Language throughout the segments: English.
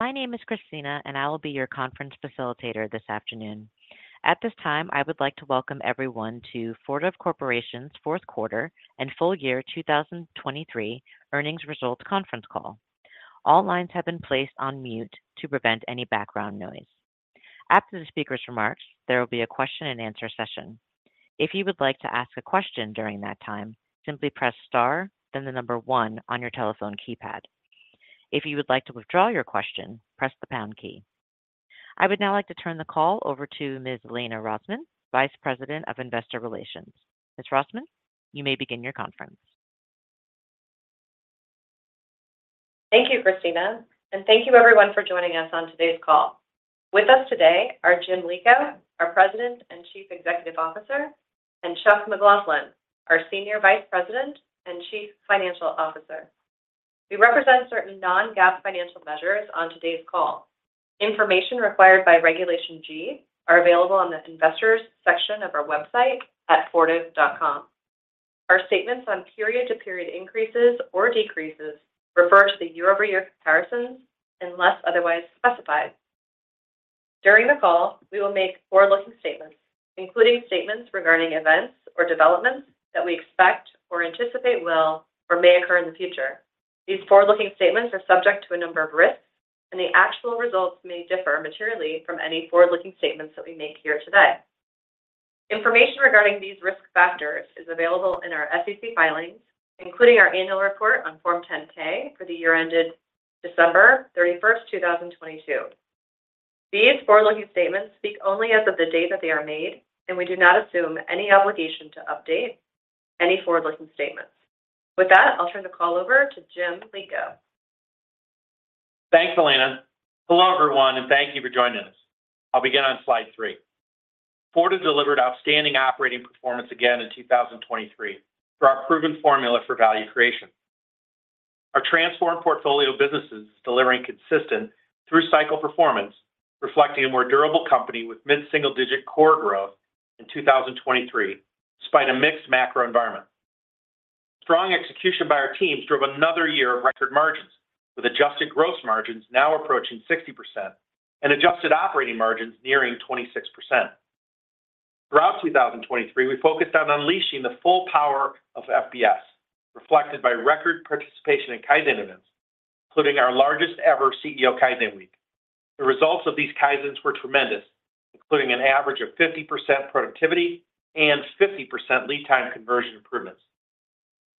My name is Christina, and I will be your conference facilitator this afternoon. At this time, I would like to welcome everyone to Fortive Corporation's fourth quarter and full year 2023 earnings results conference call. All lines have been placed on mute to prevent any background noise. After the speaker's remarks, there will be a question and answer session. If you would like to ask a question during that time, simply press Star, then the number 1 on your telephone keypad. If you would like to withdraw your question, press the pound key. I would now like to turn the call over to Ms. Elena Rosman, Vice President of Investor Relations. Ms. Rosman, you may begin your conference. Thank you, Christina, and thank you everyone for joining us on today's call. With us today are Jim Lico, our President and Chief Executive Officer, and Chuck McLaughlin, our Senior Vice President and Chief Financial Officer. We represent certain non-GAAP financial measures on today's call. Information required by Regulation G are available on the investors section of our website at fortive.com. Our statements on period-to-period increases or decreases refer to the year-over-year comparisons unless otherwise specified. During the call, we will make forward-looking statements, including statements regarding events or developments that we expect or anticipate will or may occur in the future. These forward-looking statements are subject to a number of risks, and the actual results may differ materially from any forward-looking statements that we make here today. Information regarding these risk factors is available in our SEC filings, including our annual report on Form 10-K for the year ended December 31, 2022. These forward-looking statements speak only as of the day that they are made, and we do not assume any obligation to update any forward-looking statements. With that, I'll turn the call over to Jim Lico. Thanks, Elena. Hello, everyone, and thank you for joining us. I'll begin on slide 3. Fortive delivered outstanding operating performance again in 2023 through our proven formula for value creation. Our transformed portfolio businesses is delivering consistent through-cycle performance, reflecting a more durable company with mid-single-digit core growth in 2023, despite a mixed macro environment. Strong execution by our teams drove another year of record margins, with adjusted gross margins now approaching 60% and adjusted operating margins nearing 26%. Throughout 2023, we focused on unleashing the full power of FBS, reflected by record participation in Kaizen events, including our largest ever CEO Kaizen week. The results of these Kaizens were tremendous, including an average of 50% productivity and 50% lead time conversion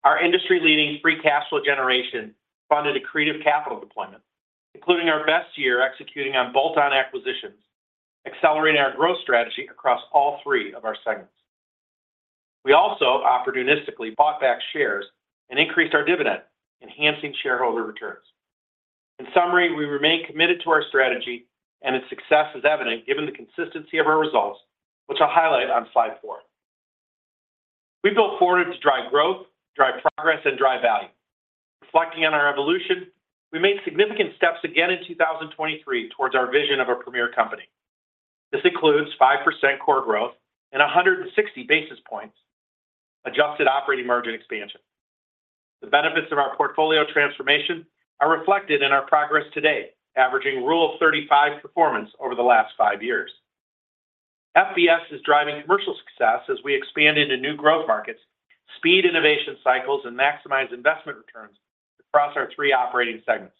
improvements. Our industry-leading free cash flow generation funded accretive capital deployment, including our best year executing on bolt-on acquisitions, accelerating our growth strategy across all three of our segments. We also opportunistically bought back shares and increased our dividend, enhancing shareholder returns. In summary, we remain committed to our strategy and its success is evident given the consistency of our results, which I'll highlight on slide 4. We built Fortive to drive growth, drive progress, and drive value. Reflecting on our evolution, we made significant steps again in 2023 towards our vision of a premier company. This includes 5% core growth and 160 basis points adjusted operating margin expansion. The benefits of our portfolio transformation are reflected in our progress today, averaging rule of 35 performance over the last 5 years. FBS is driving commercial success as we expand into new growth markets, speed innovation cycles, and maximize investment returns across our three operating segments.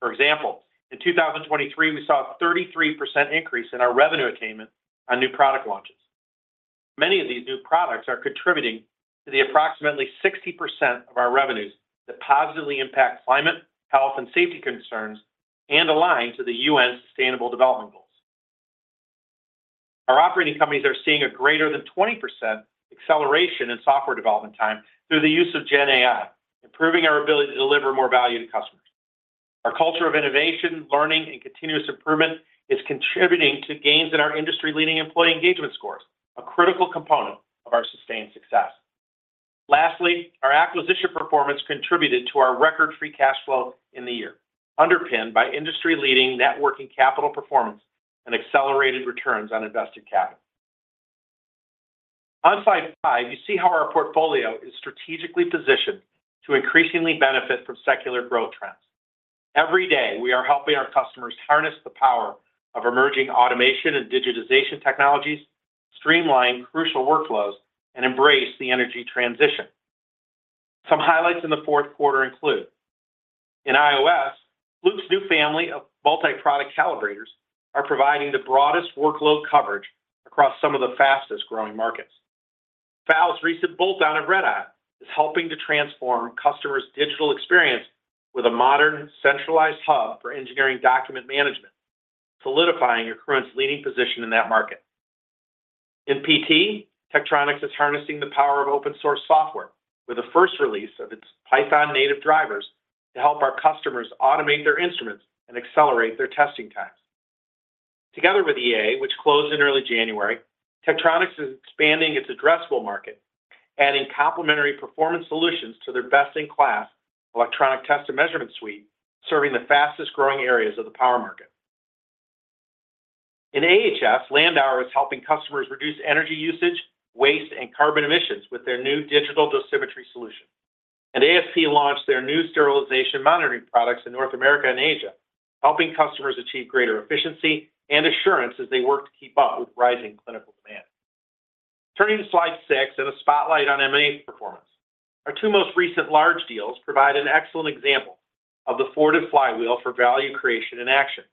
For example, in 2023, we saw a 33% increase in our revenue attainment on new product launches. Many of these new products are contributing to the approximately 60% of our revenues that positively impact climate, health, and safety concerns and align to the UN Sustainable Development Goals. Our operating companies are seeing a greater than 20% acceleration in software development time through the use of GenAI, improving our ability to deliver more value to customers. Our culture of innovation, learning, and continuous improvement is contributing to gains in our industry-leading employee engagement scores, a critical component of our sustained success. Lastly, our acquisition performance contributed to our record free cash flow in the year, underpinned by industry-leading net working capital performance and accelerated returns on invested capital. On slide 5, you see how our portfolio is strategically positioned to increasingly benefit from secular growth trends. Every day, we are helping our customers harness the power of emerging automation and digitization technologies, streamline crucial workflows, and embrace the energy transition. Some highlights in the fourth quarter include: in IOS, Fluke's new family of multi-product calibrators are providing the broadest workload coverage across some of the fastest-growing markets. Gordian's recent bolt-on of RedEye is helping to transform customers' digital experience with a modern, centralized hub for engineering document management, solidifying your current leading position in that market. In PT, Tektronix is harnessing the power of open source software with the first release of its Python native drivers to help our customers automate their instruments and accelerate their testing times. Together with EA, which closed in early January, Tektronix is expanding its addressable market, adding complementary performance solutions to their best-in-class electronic test and measurement suite, serving the fastest-growing areas of the power market. In AHS, Landauer is helping customers reduce energy usage, waste, and carbon emissions with their new digital dosimetry solution. And ASP launched their new sterilization monitoring products in North America and Asia, helping customers achieve greater efficiency and assurance as they work to keep up with rising clinical demand. Turning to slide 6 and a spotlight on M&A performance. Our two most recent large deals provide an excellent example of the Fortive flywheel for value creation in action.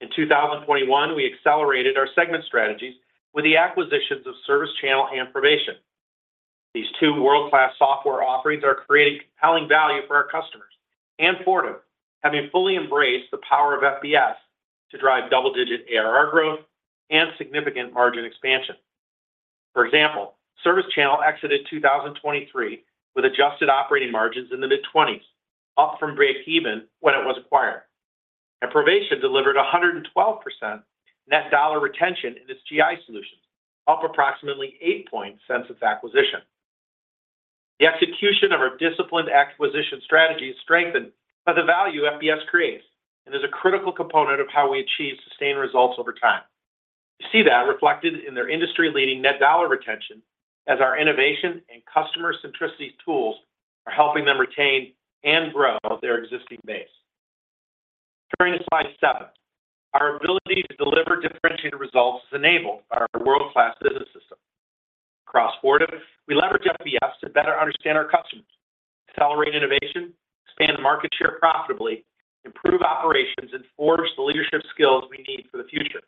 In 2021, we accelerated our segment strategies with the acquisitions of ServiceChannel and Provation. These two world-class software offerings are creating compelling value for our customers and Fortive, having fully embraced the power of FBS to drive double-digit ARR growth and significant margin expansion. For example, ServiceChannel exited 2023 with adjusted operating margins in the mid-20s, up from breakeven when it was acquired. Probation delivered 112% net dollar retention in its GI solutions, up approximately 8 points since its acquisition. The execution of our disciplined acquisition strategy is strengthened by the value FBS creates, and is a critical component of how we achieve sustained results over time. You see that reflected in their industry-leading net dollar retention as our innovation and customer centricity tools are helping them retain and grow their existing base. Turning to slide 7. Our ability to deliver differentiated results is enabled by our world-class business system. Across Fortive, we leverage FBS to better understand our customers, accelerate innovation, expand market share profitably, improve operations, and forge the leadership skills we need for the future.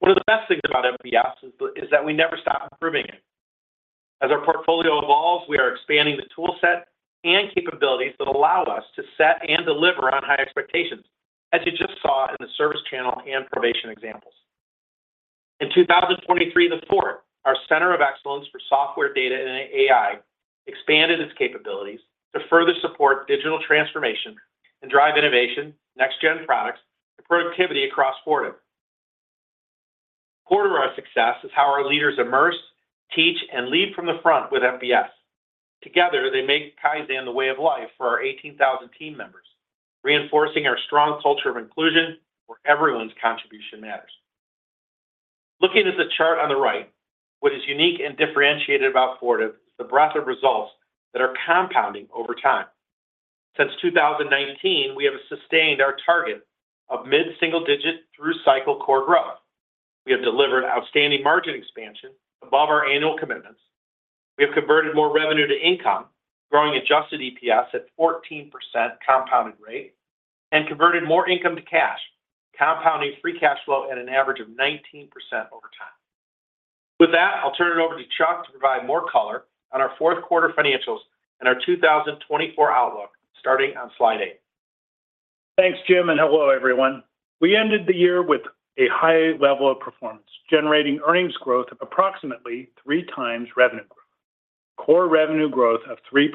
One of the best things about FBS is that we never stop improving it. As our portfolio evolves, we are expanding the toolset and capabilities that allow us to set and deliver on high expectations, as you just saw in the ServiceChannel and Provation examples. In 2023, Fortive, our center of excellence for software, data, and AI, expanded its capabilities to further support digital transformation and drive innovation, next-gen products, and productivity across Fortive. Core to our success is how our leaders immerse, teach, and lead from the front with FBS. Together, they make Kaizen the way of life for our 18,000 team members, reinforcing our strong culture of inclusion, where everyone's contribution matters. Looking at the chart on the right, what is unique and differentiated about Fortive is the breadth of results that are compounding over time. Since 2019, we have sustained our target of mid-single-digit through-cycle core growth. We have delivered outstanding margin expansion above our annual commitments. We have converted more revenue to income, growing adjusted EPS at 14% compounded rate, and converted more income to cash, compounding free cash flow at an average of 19% over time. With that, I'll turn it over to Chuck to provide more color on our fourth quarter financials and our 2024 outlook, starting on slide 8. Thanks, Jim, and hello, everyone. We ended the year with a high level of performance, generating earnings growth of approximately 3 times revenue growth. Core revenue growth of 3%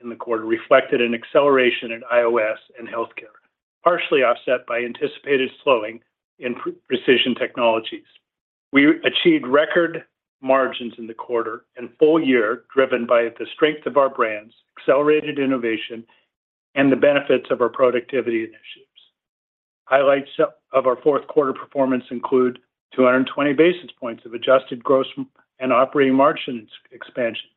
in the quarter reflected an acceleration in IOS and healthcare, partially offset by anticipated slowing in Precision Technologies. We achieved record margins in the quarter and full year, driven by the strength of our brands, accelerated innovation, and the benefits of our productivity initiatives. Highlights of our fourth quarter performance include 220 basis points of adjusted gross and operating margin expansion,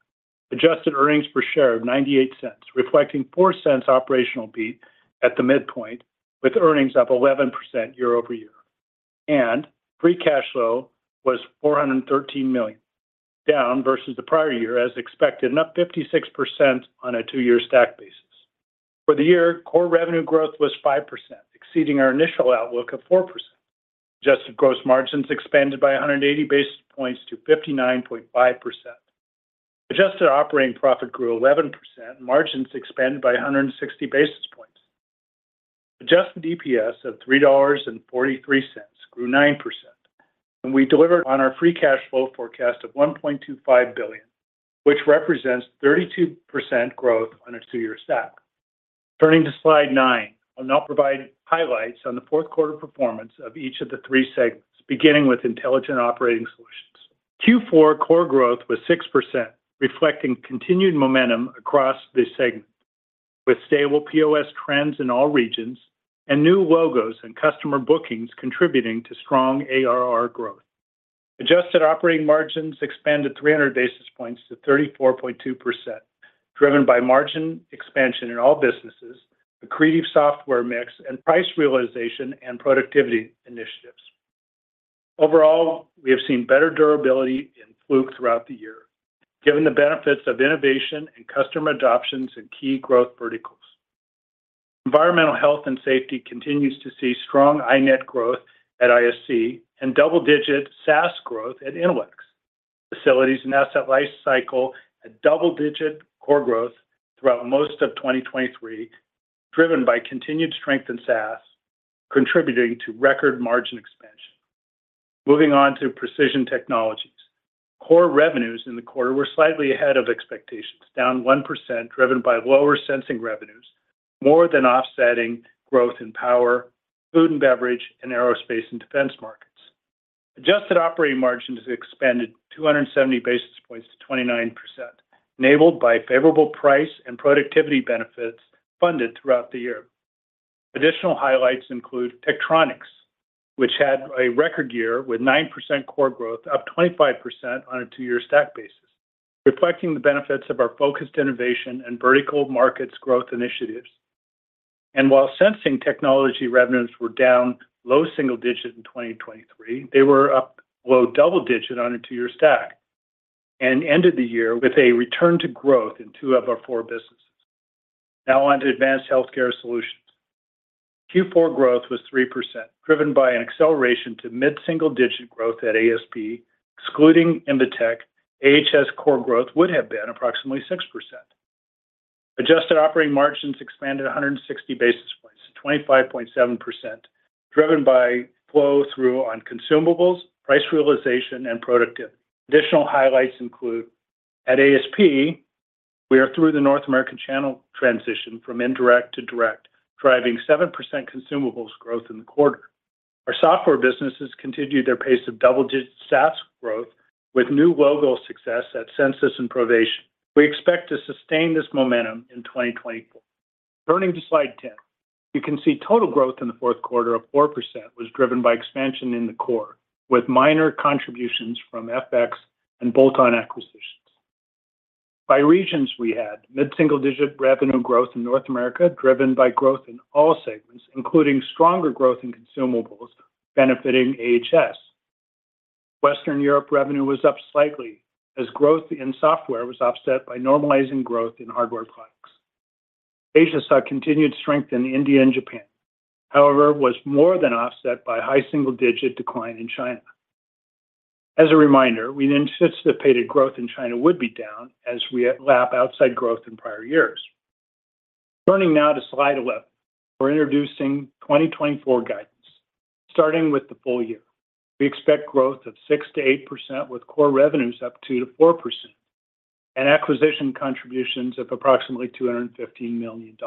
adjusted earnings per share of $0.98, reflecting $0.04 operational beat at the midpoint, with earnings up 11% year-over-year. Free cash flow was $413 million, down versus the prior year as expected, and up 56% on a two-year stack basis. For the year, core revenue growth was 5%, exceeding our initial outlook of 4%. Adjusted gross margins expanded by 180 basis points to 59.5%. Adjusted operating profit grew 11%, margins expanded by 160 basis points. Adjusted EPS of $3.43 grew 9%, and we delivered on our free cash flow forecast of $1.25 billion, which represents 32% growth on a 2-year stack. Turning to slide 9, I'll now provide highlights on the fourth quarter performance of each of the 3 segments, beginning with Intelligent Operating Solutions. Q4 core growth was 6%, reflecting continued momentum across this segment, with stable POS trends in all regions and new logos and customer bookings contributing to strong ARR growth. Adjusted operating margins expanded 300 basis points to 34.2%, driven by margin expansion in all businesses, accretive software mix, and price realization and productivity initiatives. Overall, we have seen better durability in Fluke throughout the year, given the benefits of innovation and customer adoptions in key growth verticals. Environmental Health and Safety continues to see strong iNet growth at ISC and double-digit SaaS growth at Intelex. Facilities and asset lifecycle, a double-digit core growth throughout most of 2023, driven by continued strength in SaaS, contributing to record margin expansion. Moving on to precision technologies. Core revenues in the quarter were slightly ahead of expectations, down 1%, driven by lower sensing revenues, more than offsetting growth in power, food and beverage, and aerospace and defense markets. Adjusted operating margin has expanded 270 basis points to 29%, enabled by favorable price and productivity benefits funded throughout the year. Additional highlights include Tektronix, which had a record year with 9% core growth, up 25% on a two-year stack basis, reflecting the benefits of our focused innovation and vertical markets growth initiatives. While sensing technology revenues were down low single digits in 2023, they were up low double digits on a two-year stack and ended the year with a return to growth in two of our four businesses. Now on to Advanced Healthcare Solutions. Q4 growth was 3%, driven by an acceleration to mid-single-digit growth at ASP. Excluding Invetech, AHS core growth would have been approximately 6%. Adjusted operating margins expanded 160 basis points to 25.7%, driven by flow through on consumables, price realization, and productivity. Additional highlights include at ASP, we are through the North American channel transition from indirect to direct, driving 7% consumables growth in the quarter. Our software businesses continued their pace of double-digit SaaS growth with new logo success at Censis and Provation. We expect to sustain this momentum in 2024. Turning to slide 10. You can see total growth in the fourth quarter of 4% was driven by expansion in the core, with minor contributions from FX and bolt-on acquisitions. By regions, we had mid-single-digit revenue growth in North America, driven by growth in all segments, including stronger growth in consumables benefiting AHS. Western Europe revenue was up slightly, as growth in software was offset by normalizing growth in hardware products. Asia saw continued strength in India and Japan. However, was more than offset by high single-digit decline in China. As a reminder, we anticipated growth in China would be down as we lap outsized growth in prior years. Turning now to slide 11, we're introducing 2024 guidance. Starting with the full year, we expect growth of 6%-8%, with core revenues up 2%-4% and acquisition contributions of approximately $215 million.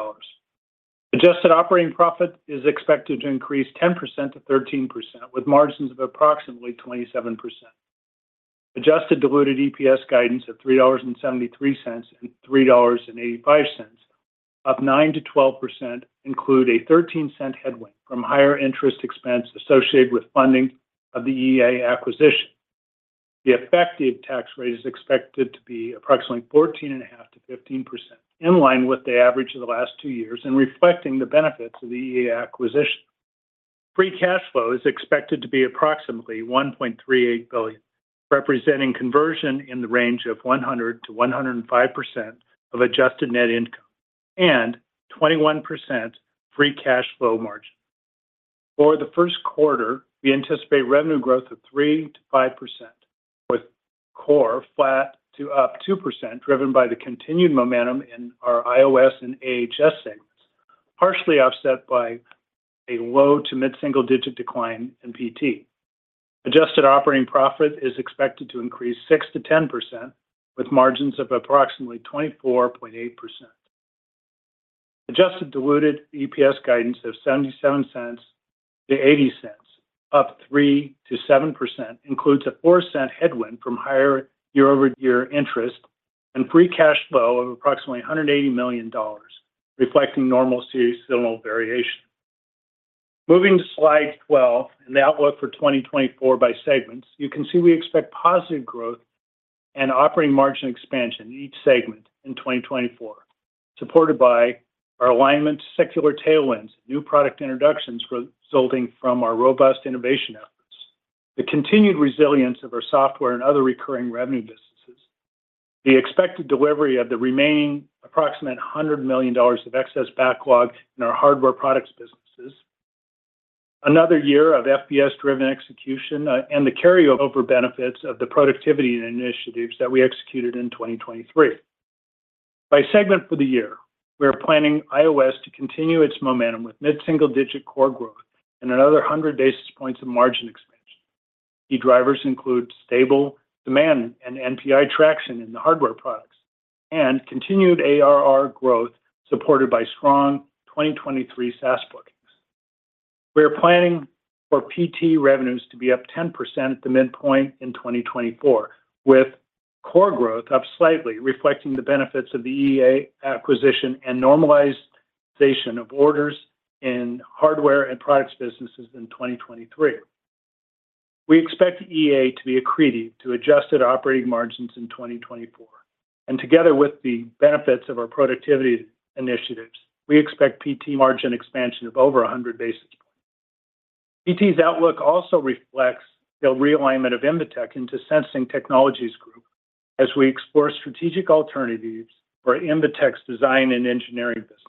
Adjusted operating profit is expected to increase 10%-13%, with margins of approximately 27%. Adjusted diluted EPS guidance of $3.73-$3.85, up 9%-12%, includes a 13-cent headwind from higher interest expense associated with funding of the EA acquisition. The effective tax rate is expected to be approximately 14.5%-15%, in line with the average of the last two years and reflecting the benefits of the EA acquisition. Free cash flow is expected to be approximately $1.38 billion, representing conversion in the range of 100%-105% of adjusted net income and 21% free cash flow margin. For the first quarter, we anticipate revenue growth of 3%-5%, with core flat to up 2%, driven by the continued momentum in our IOS and AHS segments, partially offset by a low- to mid-single-digit decline in PT. Adjusted operating profit is expected to increase 6%-10%, with margins of approximately 24.8%. Adjusted diluted EPS guidance of $0.77-$0.80, up 3%-7%, includes a 4-cent headwind from higher year-over-year interest and free cash flow of approximately $180 million, reflecting normal seasonal variation. Moving to slide 12 and the outlook for 2024 by segments, you can see we expect positive growth and operating margin expansion in each segment in 2024, supported by our alignment to secular tailwinds, new product introductions resulting from our robust innovation efforts, the continued resilience of our software and other recurring revenue businesses, the expected delivery of the remaining approximate $100 million of excess backlog in our hardware products businesses, another year of FBS-driven execution, and the carryover benefits of the productivity initiatives that we executed in 2023. By segment for the year, we are planning IOS to continue its momentum with mid-single-digit core growth and another 100 basis points of margin expansion. Key drivers include stable demand and NPI traction in the hardware products, and continued ARR growth, supported by strong 2023 SaaS bookings. We are planning for PT revenues to be up 10% at the midpoint in 2024, with core growth up slightly, reflecting the benefits of the EA acquisition and normalization of orders in hardware and products businesses in 2023. We expect EA to be accretive to adjusted operating margins in 2024, and together with the benefits of our productivity initiatives, we expect PT margin expansion of over 100 basis points. PT's outlook also reflects the realignment of Invetech into Sensing Technologies Group as we explore strategic alternatives for Invetech's design and engineering business.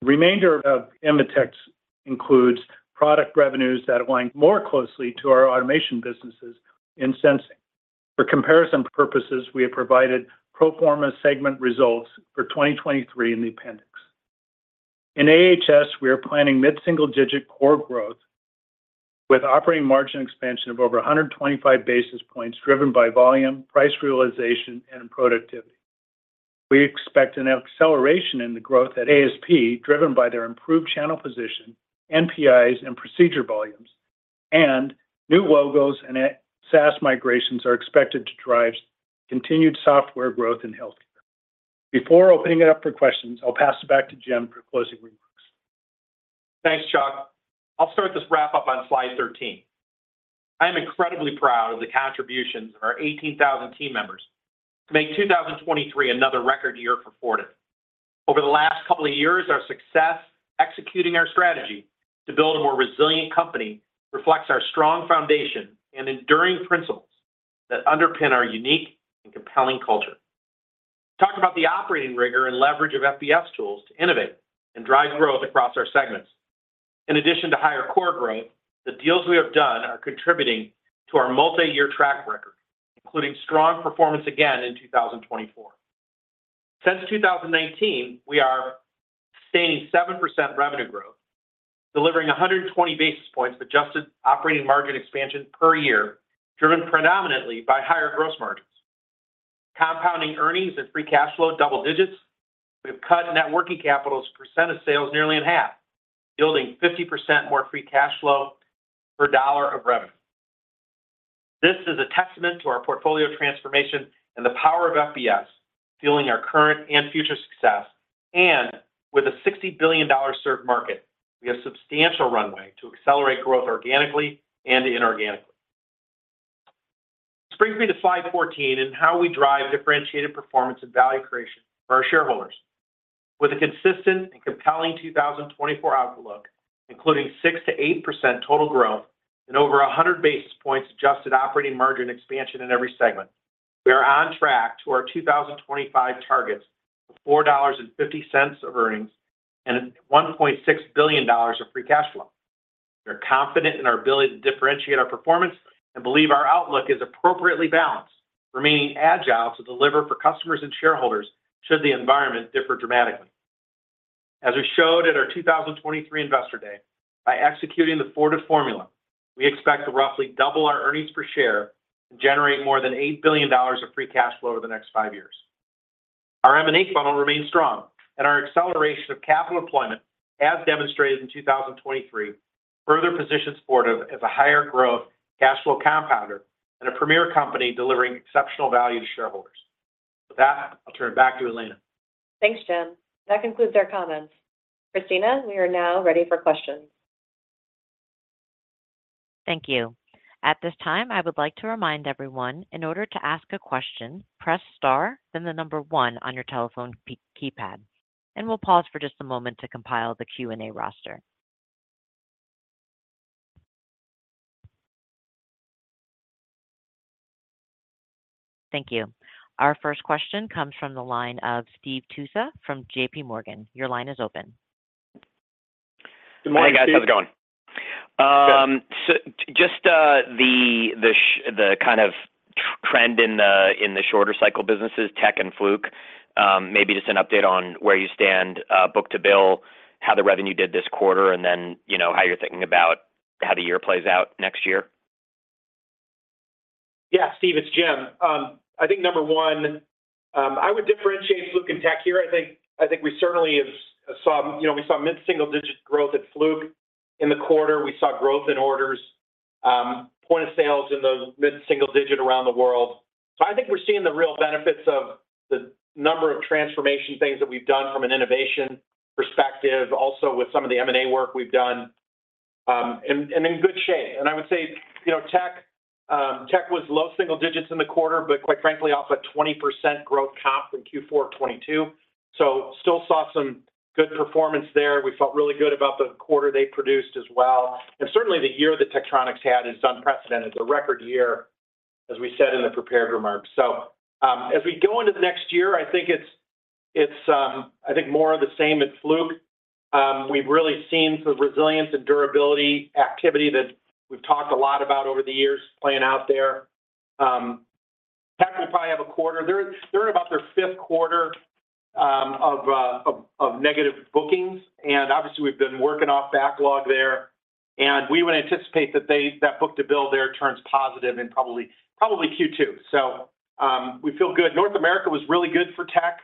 The remainder of Invetech includes product revenues that align more closely to our automation businesses in sensing. For comparison purposes, we have provided pro forma segment results for 2023 in the appendix. In AHS, we are planning mid-single-digit core growth with operating margin expansion of over 125 basis points, driven by volume, price realization, and productivity. We expect an acceleration in the growth at ASP, driven by their improved channel position, NPIs, and procedure volumes, and new logos and a SaaS migrations are expected to drive continued software growth in healthcare. Before opening it up for questions, I'll pass it back to Jim for closing remarks. Thanks, Chuck. I'll start this wrap up on slide 13. I'm incredibly proud of the contributions of our 18,000 team members to make 2023 another record year for Fortive. Over the last couple of years, our success executing our strategy to build a more resilient company reflects our strong foundation and enduring principles that underpin our unique and compelling culture. Talk about the operating rigor and leverage of FBS tools to innovate and drive growth across our segments. In addition to higher core growth, the deals we have done are contributing to our multi-year track record, including strong performance again in 2024. Since 2019, we are sustaining 7% revenue growth, delivering 120 basis points adjusted operating margin expansion per year, driven predominantly by higher gross margins, compounding earnings and free cash flow double digits. We've cut net working capital's percent of sales nearly in half, yielding 50% more free cash flow per dollar of revenue. This is a testament to our portfolio transformation and the power of FBS, fueling our current and future success, and with a $60 billion served market, we have substantial runway to accelerate growth organically and inorganically. This brings me to slide 14 and how we drive differentiated performance and value creation for our shareholders. With a consistent and compelling 2024 outlook, including 6%-8% total growth and over 100 basis points adjusted operating margin expansion in every segment, we are on track to our 2025 targets of $4.50 of earnings and $1.6 billion of free cash flow. We're confident in our ability to differentiate our performance and believe our outlook is appropriately balanced, remaining agile to deliver for customers and shareholders should the environment differ dramatically. As we showed at our 2023 Investor Day, by executing the Fortive formula, we expect to roughly double our earnings per share and generate more than $8 billion of free cash flow over the next 5 years. Our M&A funnel remains strong, and our acceleration of capital deployment, as demonstrated in 2023, further positions Fortive as a higher growth cash flow compounder and a premier company delivering exceptional value to shareholders. With that, I'll turn it back to Elena. Thanks, Jim. That concludes our comments. Christina, we are now ready for questions. Thank you. At this time, I would like to remind everyone, in order to ask a question, press star, then the number 1 on your telephone keypad, and we'll pause for just a moment to compile the Q&A roster. Thank you. Our first question comes from the line of Steve Tusa from JP Morgan. Your line is open. Good morning, guys. How's it going? So just the kind of trend in the shorter cycle businesses, Tek and Fluke, maybe just an update on where you stand, book to bill, how the revenue did this quarter, and then, you know, how you're thinking about how the year plays out next year? Yeah, Steve, it's Jim. I think number one, I would differentiate Fluke and Tech here. I think, I think we certainly have saw-- you know, we saw mid-single-digit growth at Fluke. In the quarter, we saw growth in orders, point of sales in those mid-single digit around the world. So I think we're seeing the real benefits of the number of transformation things that we've done from an innovation perspective, also with some of the M&A work we've done, and, and in good shape. And I would say, you know, Tech, Tech was low single digits in the quarter, but quite frankly, off a 20% growth comp in Q4 2022. So still saw some good performance there. We felt really good about the quarter they produced as well. And certainly, the year that Tektronix had is unprecedented. It's a record year, as we said in the prepared remarks. So, as we go into the next year, I think it's, I think more of the same at Fluke. We've really seen the resilience and durability activity that we've talked a lot about over the years playing out there. Tech will probably have a quarter. They're in about their fifth quarter of negative bookings, and obviously, we've been working off backlog there. And we would anticipate that they that book to bill there turns positive in probably Q2. So, we feel good. North America was really good for Tech,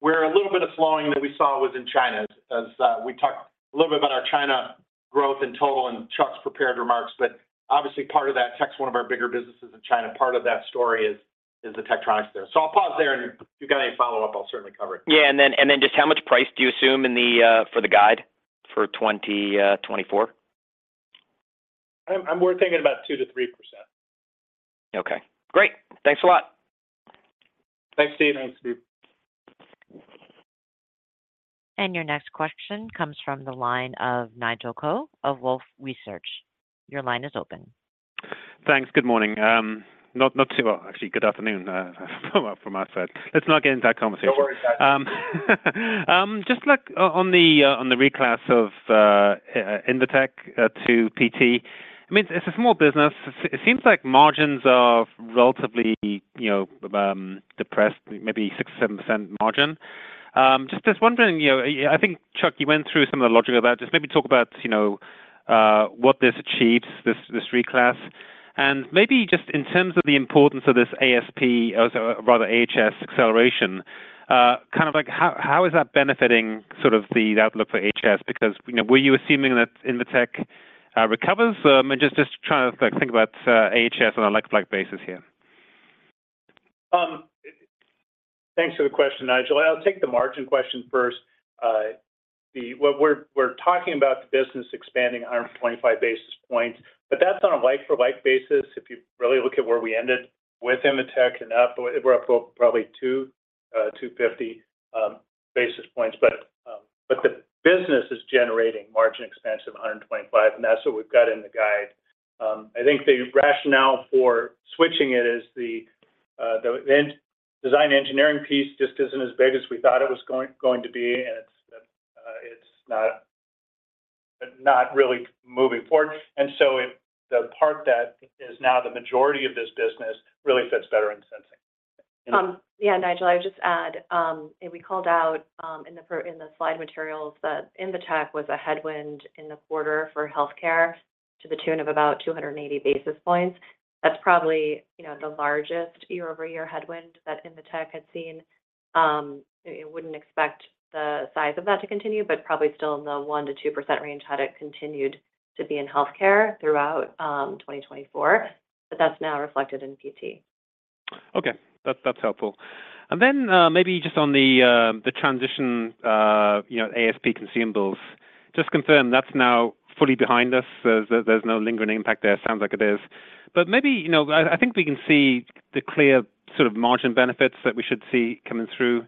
where a little bit of slowing that we saw was in China, as we talked a little bit about our China growth in total in Chuck's prepared remarks. But obviously, part of that, Tektronix's one of our bigger businesses in China. Part of that story is the Tektronix there. So I'll pause there, and if you got any follow-up, I'll certainly cover it. Yeah, and then, and then just how much price do you assume in the for the guide for 2024? I'm more thinking about 2%-3%. Okay, great. Thanks a lot. Thanks, Steve. Thanks, Steve. Your next question comes from the line of Nigel Coe of Wolfe Research. Your line is open. Thanks. Good morning. Not too well, actually, good afternoon, from our side. Let's not get into that conversation. No worries. Just like on the reclass of Invetech to PT, I mean, it's a small business. It seems like margins are relatively, you know, depressed, maybe 6%-7% margin. Just wondering, you know, I think, Chuck, you went through some of the logic of that. Just maybe talk about, you know, what this achieves, this reclass, and maybe just in terms of the importance of this ASP, or rather AHS acceleration, kind of like how is that benefiting sort of the outlook for AHS? Because, you know, were you assuming that Invetech recovers? And just trying to like think about AHS on a like-for-like basis here. Thanks for the question, Nigel. I'll take the margin question first. What we're talking about the business expanding 125 basis points, but that's on a like for like basis. If you really look at where we ended with Invetech and up, we're up to probably 250 basis points. But the business is generating margin expansion of 125 basis points, and that's what we've got in the guide. I think the rationale for switching it is the design engineering piece just isn't as big as we thought it was going to be, and it's not really moving forward. And so it, the part that is now the majority of this business really fits better in sensing. Yeah, Nigel, I'll just add, and we called out, in the slide materials, that Invetech was a headwind in the quarter for healthcare to the tune of about 280 basis points. That's probably, you know, the largest year-over-year headwind that Invetech had seen. I wouldn't expect the size of that to continue, but probably still in the 1%-2% range had it continued to be in healthcare throughout, 2024, but that's now reflected in PT. Okay. That's, that's helpful. And then, maybe just on the, the transition, you know, ASP consumables, just confirm, that's now fully behind us. There's, there's no lingering impact there. Sounds like it is. But maybe, you know, I, I think we can see the clear sort of margin benefits that we should see coming through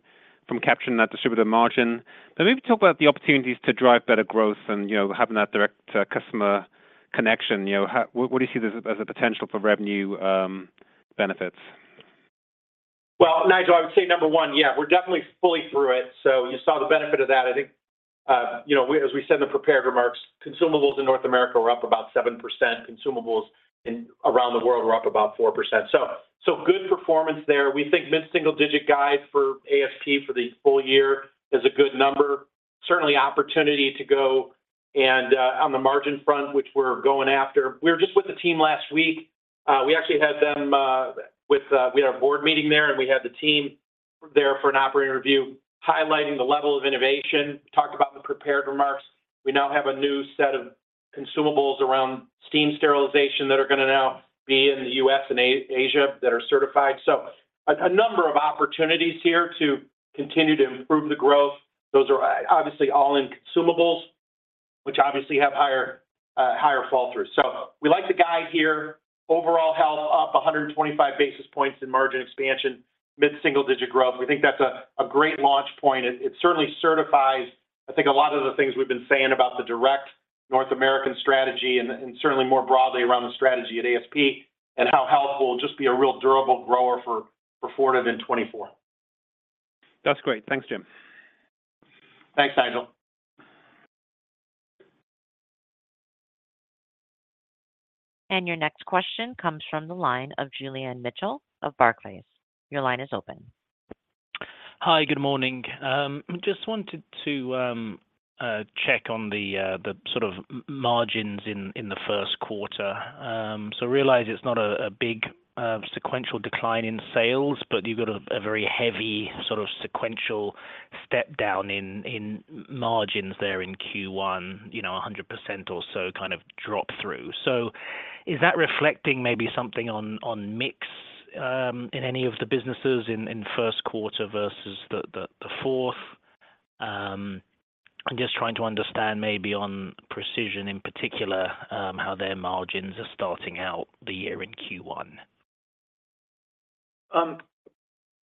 from capturing that distributor margin. But maybe talk about the opportunities to drive better growth and, you know, having that direct, customer connection. You know, how-- what do you see as, as a potential for revenue, benefits? Well, Nigel, I would say number one, yeah, we're definitely fully through it, so you saw the benefit of that. I think, you know, we—as we said in the prepared remarks, consumables in North America were up about 7%. Consumables in around the world were up about 4%. So, so good performance there. We think mid-single-digit guide for ASP for the full year is a good number. Certainly, opportunity to go and, on the margin front, which we're going after. We were just with the team last week. We actually had them, with, we had our board meeting there, and we had the team there for an operating review, highlighting the level of innovation. Talked about the prepared remarks. We now have a new set of consumables around steam sterilization that are going to now be in the U.S. and Asia that are certified. So a number of opportunities here to continue to improve the growth. Those are obviously all in consumables, which obviously have higher, higher pass-throughs. So we like the guide here. Overall health up 125 basis points in margin expansion, mid-single-digit growth. We think that's a great launch point. It certainly certifies, I think, a lot of the things we've been saying about the direct North American strategy and certainly more broadly around the strategy at ASP and how health will just be a real durable grower for Fortive in 2024. That's great. Thanks, Jim. Thanks, Nigel. Your next question comes from the line of Julian Mitchell of Barclays. Your line is open. Hi, good morning. Just wanted to check on the sort of margins in the first quarter. So realize it's not a big sequential decline in sales, but you've got a very heavy sort of sequential step down in margins there in Q1, you know, 100% or so kind of drop through. So is that reflecting maybe something on mix in any of the businesses in first quarter versus the fourth? I'm just trying to understand maybe on Precision in particular how their margins are starting out the year in Q1.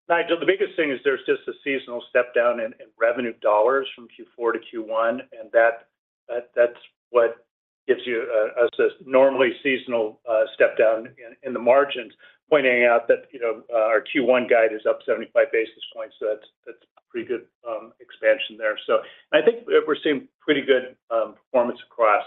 Nigel, the biggest thing is there's just a seasonal step down in revenue dollars from Q4 to Q1, and that's what gives you us a normally seasonal step down in the margins, pointing out that, you know, our Q1 guide is up 75 basis points. So that's a pretty good expansion there. So I think we're seeing pretty good performance across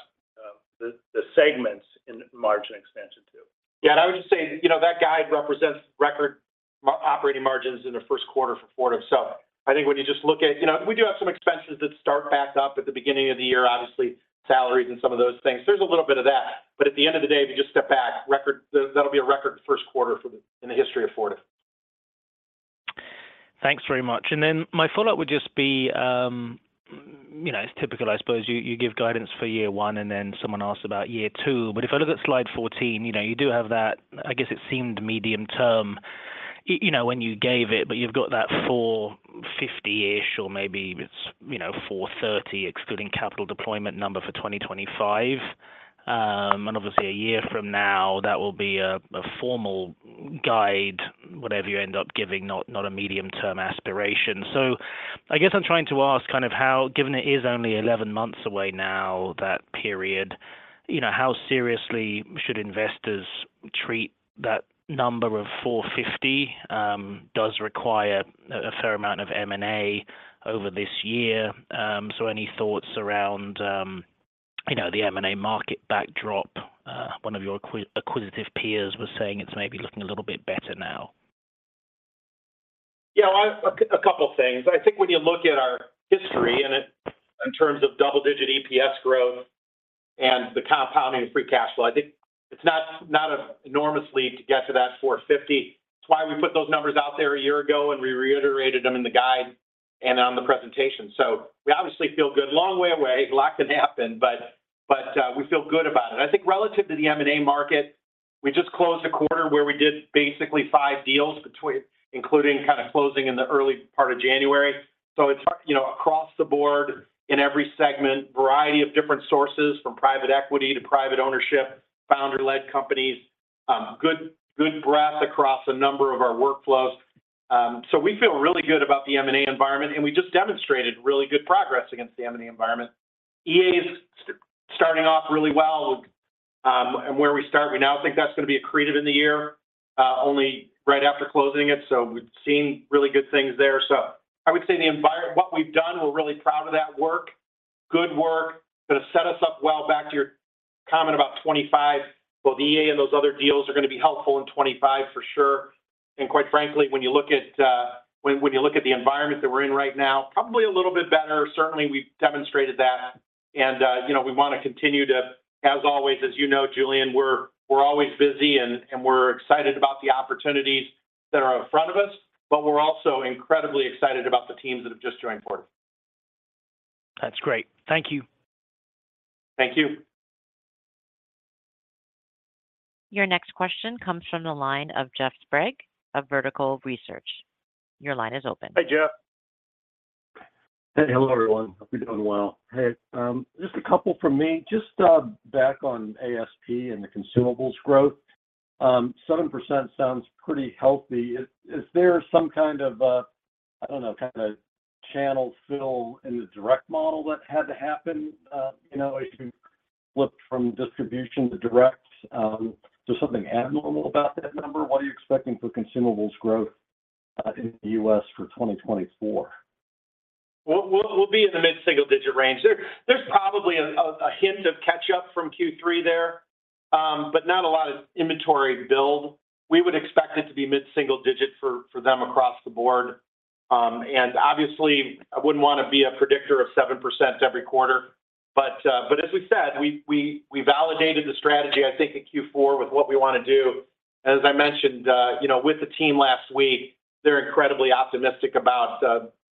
the segments in margin expansion, too. Yeah, and I would just say, you know, that guide represents record operating margins in the first quarter for Fortive. So I think when you just look at... you know, we do have some expenses that start back up at the beginning of the year, obviously, salaries and some of those things. There's a little bit of that, but at the end of the day, if you just step back, record, that'll be a record first quarter in the history of Fortive. Thanks very much. And then my follow-up would just be, you know, it's typical, I suppose. You give guidance for year one, and then someone asks about year two. But if I look at slide 14, you know, you do have that, I guess, it seemed medium-term, you know, when you gave it, but you've got that $450-ish or maybe it's, you know, $430, excluding capital deployment number for 2025. And obviously, a year from now, that will be a formal guide, whatever you end up giving, not a medium-term aspiration. So I guess I'm trying to ask kind of how, given it is only 11 months away now, that period, you know, how seriously should investors treat that number of $450? It does require a fair amount of M&A over this year? So any thoughts around... You know, the M&A market backdrop, one of your acquisitive peers was saying it's maybe looking a little bit better now. Yeah, well, a couple things. I think when you look at our history and it, in terms of double-digit EPS growth and the compounding of free cash flow, I think it's not, not an enormous leap to get to that $4.50. It's why we put those numbers out there a year ago, and we reiterated them in the guide and on the presentation. So we obviously feel good. Long way away, a lot can happen, but, but, we feel good about it. I think relative to the M&A market, we just closed a quarter where we did basically 5 deals between, including kind of closing in the early part of January. So it's, you know, across the board in every segment, variety of different sources, from private equity to private ownership, founder-led companies, good, good breadth across a number of our workflows. So we feel really good about the M&A environment, and we just demonstrated really good progress against the M&A environment. EA is starting off really well with, and where we start, we now think that's gonna be accretive in the year, only right after closing it, so we've seen really good things there. So I would say the environment... What we've done, we're really proud of that work. Good work, gonna set us up well, back to your comment about 25. Both EA and those other deals are gonna be helpful in 25, for sure. And quite frankly, when you look at, when, when you look at the environment that we're in right now, probably a little bit better. Certainly, we've demonstrated that. You know, we wanna continue to, as always, as you know, Julian, we're always busy, and we're excited about the opportunities that are in front of us, but we're also incredibly excited about the teams that have just joined Fortive. That's great. Thank you. Thank you. Your next question comes from the line of Jeff Sprague of Vertical Research Partners. Your line is open. Hi, Jeff. Hey, hello, everyone. Hope you're doing well. Hey, just a couple from me. Just, back on ASP and the consumables growth, 7% sounds pretty healthy. Is there some kind of a, I don't know, kind of channel fill in the direct model that had to happen? You know, as you flipped from distribution to direct, just something abnormal about that number? What are you expecting for consumables growth, in the U.S. for 2024? We'll be in the mid-single-digit range. There's probably a hint of catch-up from Q3 there, but not a lot of inventory build. We would expect it to be mid-single digit for them across the board. And obviously, I wouldn't wanna be a predictor of 7% every quarter, but as we said, we validated the strategy, I think, in Q4 with what we wanna do. As I mentioned, you know, with the team last week, they're incredibly optimistic about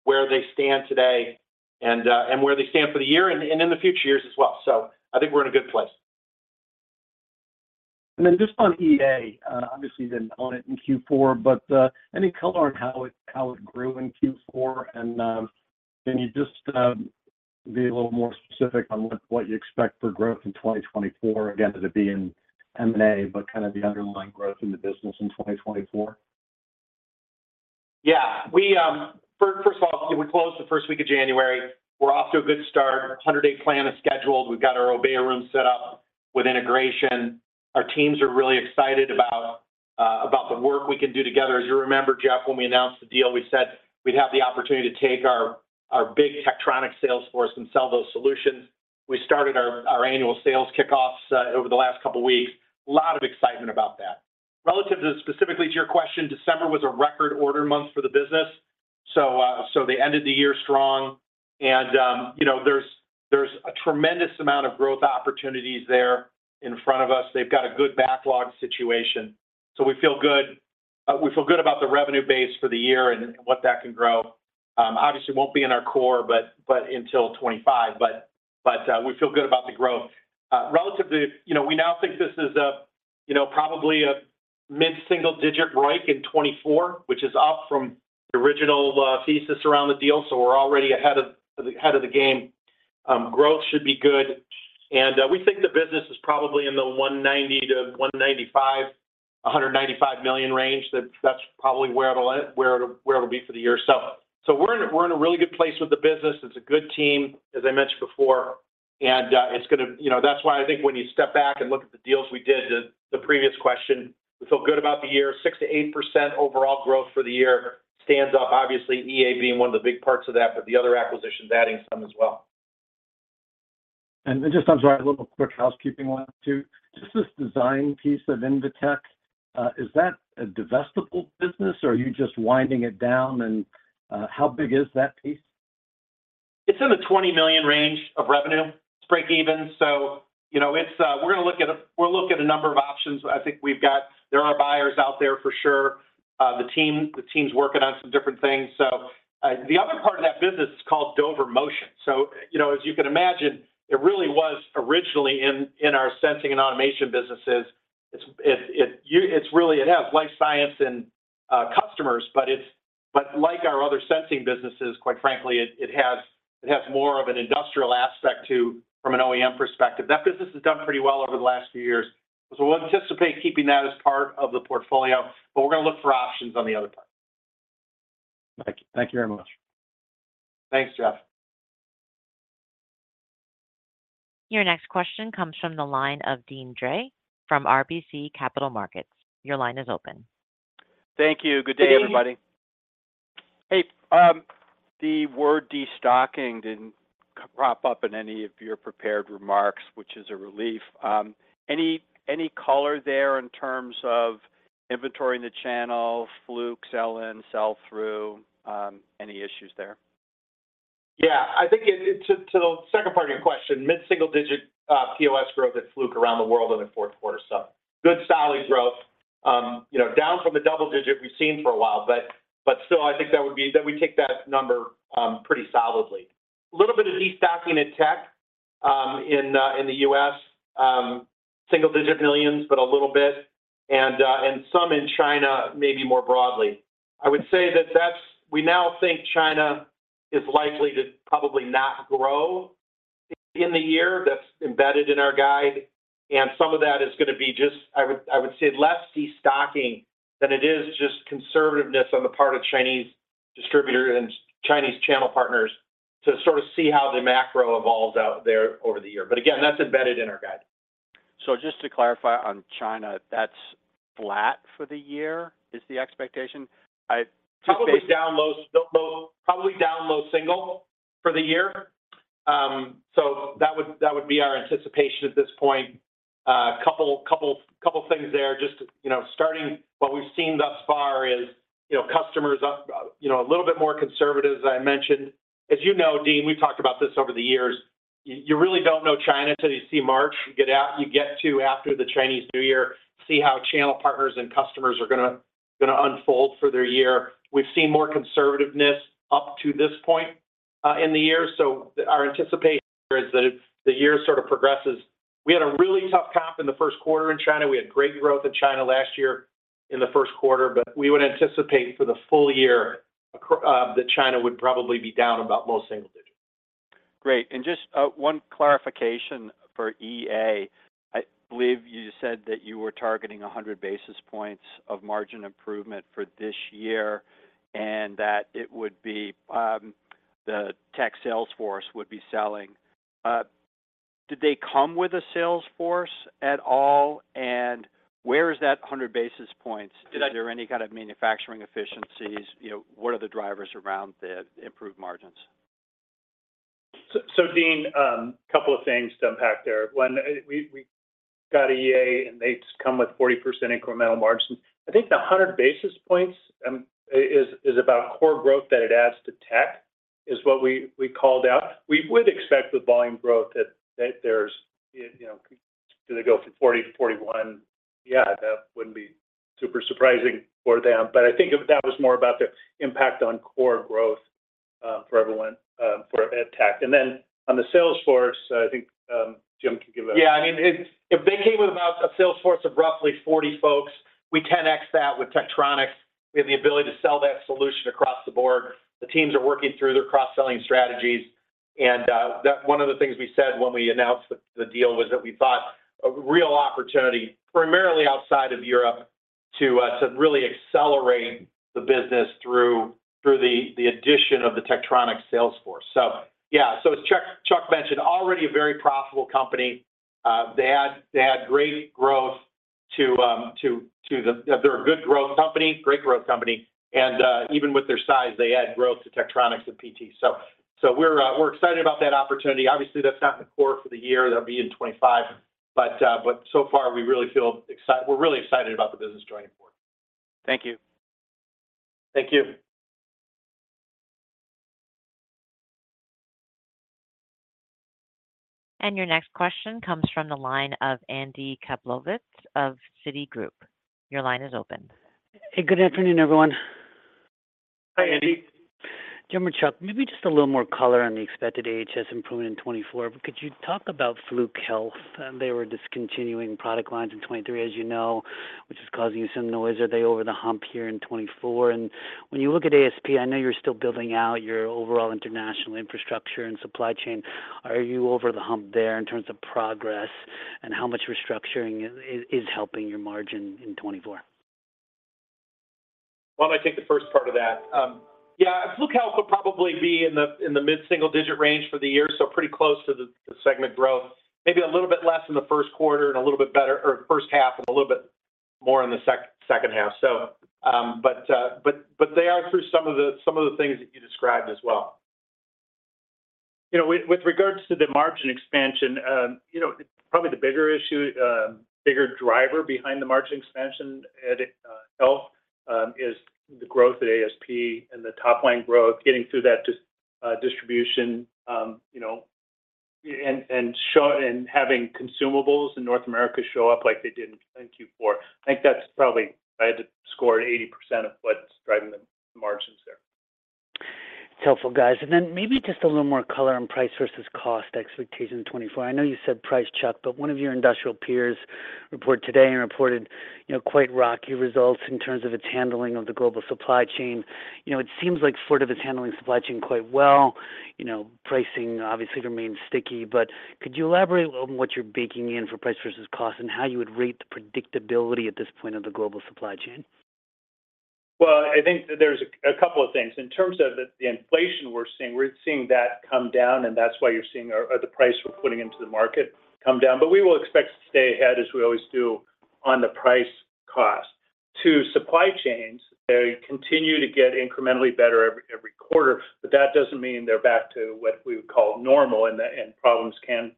where they stand today and where they stand for the year and in the future years as well. So I think we're in a good place. And then just on EA, obviously, you didn't own it in Q4, but, any color on how it, how it grew in Q4? And, can you just, be a little more specific on what, what you expect for growth in 2024? Again, it'll be in M&A, but kind of the underlying growth in the business in 2024. Yeah. We first of all closed the first week of January. We're off to a good start. 100-day plan is scheduled. We've got our Obeya room set up with integration. Our teams are really excited about the work we can do together. As you remember, Jeff, when we announced the deal, we said we'd have the opportunity to take our big Tektronix sales force and sell those solutions. We started our annual sales kickoffs over the last couple weeks. A lot of excitement about that. Relative to specifically to your question, December was a record order month for the business, so they ended the year strong. You know, there's a tremendous amount of growth opportunities there in front of us. They've got a good backlog situation, so we feel good. We feel good about the revenue base for the year and what that can grow. Obviously, won't be in our core, but until 2025, we feel good about the growth. Relatively, you know, we now think this is a, you know, probably a mid-single-digit break in 2024, which is up from the original thesis around the deal, so we're already ahead of the game. Growth should be good, and we think the business is probably in the $190 million-$195 million range. That's probably where it'll end, where it'll be for the year. So we're in a really good place with the business. It's a good team, as I mentioned before, and it's gonna... You know, that's why I think when you step back and look at the deals we did, the previous question, we feel good about the year. 6%-8% overall growth for the year stands up, obviously, EA being one of the big parts of that, but the other acquisitions adding some as well. And then, just—I'm sorry—a little quick housekeeping one, too. Just this design piece of Invetech, is that a divestible business, or are you just winding it down, and how big is that piece? It's in the $20 million range of revenue. It's break even, so you know, we're gonna look at a number of options. I think we've got. There are buyers out there for sure. The team's working on some different things. So, the other part of that business is called Dover Motion. So, you know, as you can imagine, it really was originally in our sensing and automation businesses. It's really it has life science and customers, but like our other sensing businesses, quite frankly, it has more of an industrial aspect to from an OEM perspective. That business has done pretty well over the last few years. So we'll anticipate keeping that as part of the portfolio, but we're gonna look for options on the other part. Thank you. Thank you very much. Thanks, Jeff. Your next question comes from the line of Dean Dray from RBC Capital Markets. Your line is open. Thank you. Good day, everybody. ... Hey, the word destocking didn't crop up in any of your prepared remarks, which is a relief. Any color there in terms of inventory in the channel, Fluke, sell-in, sell-through, any issues there? Yeah, I think it to the second part of your question, mid-single-digit POS growth at Fluke around the world in the fourth quarter. So good solid growth, you know, down from the double-digit we've seen for a while. But still, I think that we take that number pretty solidly. A little bit of destocking in tech in the US, $ single-digit millions, but a little bit and some in China, maybe more broadly. I would say that's we now think China is likely to probably not grow in the year. That's embedded in our guide, and some of that is gonna be just... I would say less destocking than it is just conservativeness on the part of Chinese distributors and Chinese channel partners to sort of see how the macro evolves out there over the year. But again, that's embedded in our guide. Just to clarify on China, that's flat for the year, is the expectation? I- Probably down low single for the year. So that would be our anticipation at this point. Couple things there. Just, you know, starting what we've seen thus far is, you know, customers are, you know, a little bit more conservative, as I mentioned. As you know, Dean, we've talked about this over the years, you really don't know China till you see March. You get out, you get to after the Chinese New Year, see how channel partners and customers are gonna unfold for their year. We've seen more conservativeness up to this point in the year, so our anticipation is that as the year sort of progresses. We had a really tough comp in the first quarter in China. We had great growth in China last year in the first quarter, but we would anticipate for the full year that China would probably be down about low single digits. Great. Just one clarification for EA. I believe you said that you were targeting 100 basis points of margin improvement for this year, and that it would be the tech sales force would be selling. Did they come with a sales force at all, and where is that 100 basis points? Did I- Is there any kind of manufacturing efficiencies? You know, what are the drivers around the improved margins? So, so Dean, couple of things to unpack there. When we got EA, and they come with 40% incremental margins. I think the 100 basis points is about core growth that it adds to PT, is what we called out. We would expect the volume growth that there's, you know, gonna go from 40 to 41. Yeah, that wouldn't be super surprising for them. But I think that was more about the impact on core growth for everyone for PT. And then on the sales force, I think Jim can give a- Yeah, I mean, if they came with about a sales force of roughly 40 folks, we 10x that with Tektronix. We have the ability to sell that solution across the board. The teams are working through their cross-selling strategies, and that-- one of the things we said when we announced the, the deal was that we thought a real opportunity, primarily outside of Europe, to really accelerate the business through the addition of the Tektronix sales force. So yeah, so as Chuck mentioned, already a very profitable company. They had great growth to the... They're a good growth company, great growth company, and even with their size, they add growth to Tektronix and PT. So we're excited about that opportunity. Obviously, that's not in the core for the year. They'll be in 25, but so far, we're really excited about the business joining the board. Thank you. Thank you. Your next question comes from the line of Andy Kaplowitz of Citigroup. Your line is open. Hey, good afternoon, everyone. Hi, Andy. Jim and Chuck, maybe just a little more color on the expected AHS improvement in 2024. But could you talk about Fluke Health? They were discontinuing product lines in 2023, as you know, which is causing you some noise. Are they over the hump here in 2024? And when you look at ASP, I know you're still building out your overall international infrastructure and supply chain. Are you over the hump there in terms of progress, and how much restructuring is helping your margin in 2024? Well, I take the first part of that. Yeah, Fluke Health will probably be in the mid-single digit range for the year, so pretty close to the segment growth. Maybe a little bit less in the first quarter and a little bit better or first half and a little bit more in the second half. So, but they are through some of the things that you described as well. You know, with, with regards to the margin expansion, you know, probably the bigger issue, bigger driver behind the margin expansion at, Health, is the growth at ASP and the top line growth, getting through that dis-, distribution, you know, and, and show- and having consumables in North America show up like they did in Q4. I think that's probably, I had to score 80% of what's driving the margins there. It's helpful, guys. Then maybe just a little more color on price versus cost expectation in 2024. I know you said price, Chuck, but one of your industrial peers reported today and reported, you know, quite rocky results in terms of its handling of the global supply chain. You know, it seems like sort of it's handling supply chain quite well. You know, pricing obviously remains sticky, but could you elaborate on what you're baking in for price versus cost and how you would rate the predictability at this point of the global supply chain? Well, I think that there's a couple of things. In terms of the inflation we're seeing, we're seeing that come down, and that's why you're seeing the price we're putting into the market come down. But we will expect to stay ahead, as we always do. ...on the price cost. To supply chains, they continue to get incrementally better every quarter, but that doesn't mean they're back to what we would call normal, and problems can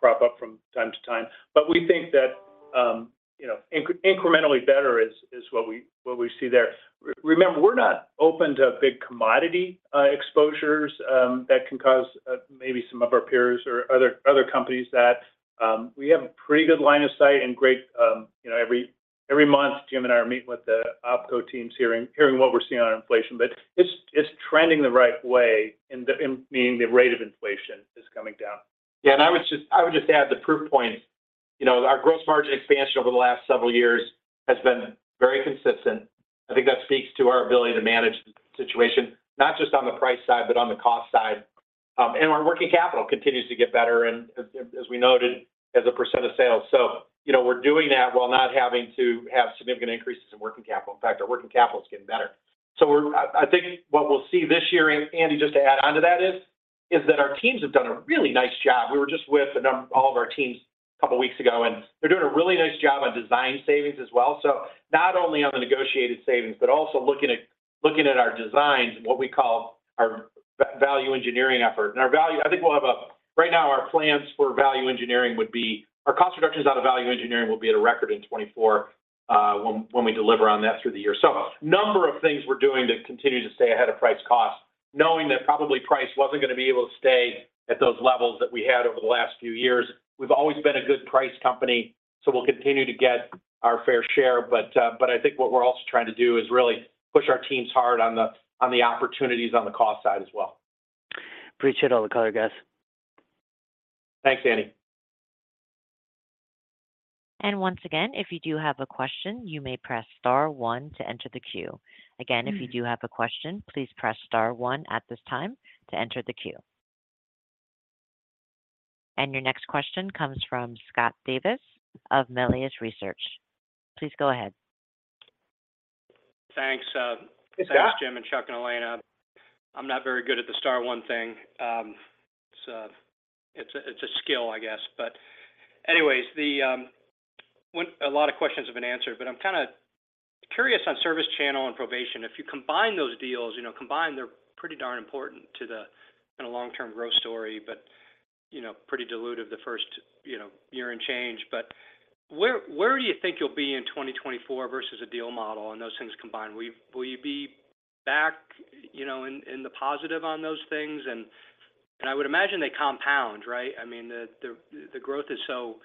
crop up from time to time. But we think that, you know, incrementally better is what we see there. Remember, we're not open to big commodity exposures that can cause maybe some of our peers or other companies that we have a pretty good line of sight and great. You know, every month, Jim and I are meeting with the OpCo teams, hearing what we're seeing on inflation. But it's trending the right way in meaning the rate of inflation is coming down. Yeah, and I would just add the proof point. You know, our gross margin expansion over the last several years has been very consistent. I think that speaks to our ability to manage the situation, not just on the price side, but on the cost side. And our working capital continues to get better, and as we noted, as a percent of sales. So, you know, we're doing that while not having to have significant increases in working capital. In fact, our working capital is getting better. So I think what we'll see this year, and Andy, just to add on to that, is that our teams have done a really nice job. We were just with all of our teams a couple weeks ago, and they're doing a really nice job on design savings as well. So not only on the negotiated savings, but also looking at our designs and what we call our value engineering effort. And our value engineering—I think we'll have a record. Right now, our plans for value engineering would be our cost reductions out of value engineering will be at a record in 2024, when we deliver on that through the year. So number of things we're doing to continue to stay ahead of price cost, knowing that probably price wasn't gonna be able to stay at those levels that we had over the last few years. We've always been a good price company, so we'll continue to get our fair share. But, but I think what we're also trying to do is really push our teams hard on the opportunities on the cost side as well. Appreciate all the color, guys. Thanks, Andy. Once again, if you do have a question, you may press star one to enter the queue. Again, if you do have a question, please press star one at this time to enter the queue. Your next question comes from Scott Davis of Melius Research. Please go ahead. Thanks, uh- Hey, Scott. Thanks, Jim and Chuck and Elena. I'm not very good at the star one thing. It's a skill, I guess. But anyways, a lot of questions have been answered, but I'm kind of curious on ServiceChannel and Provation. If you combine those deals, you know, combined, they're pretty darn important to the, in a long-term growth story, but, you know, pretty dilutive the first, you know, year and change. But where, where do you think you'll be in 2024 versus a deal model and those things combined? Will you, will you be back, you know, in, in the positive on those things? And, and I would imagine they compound, right? I mean, the growth is so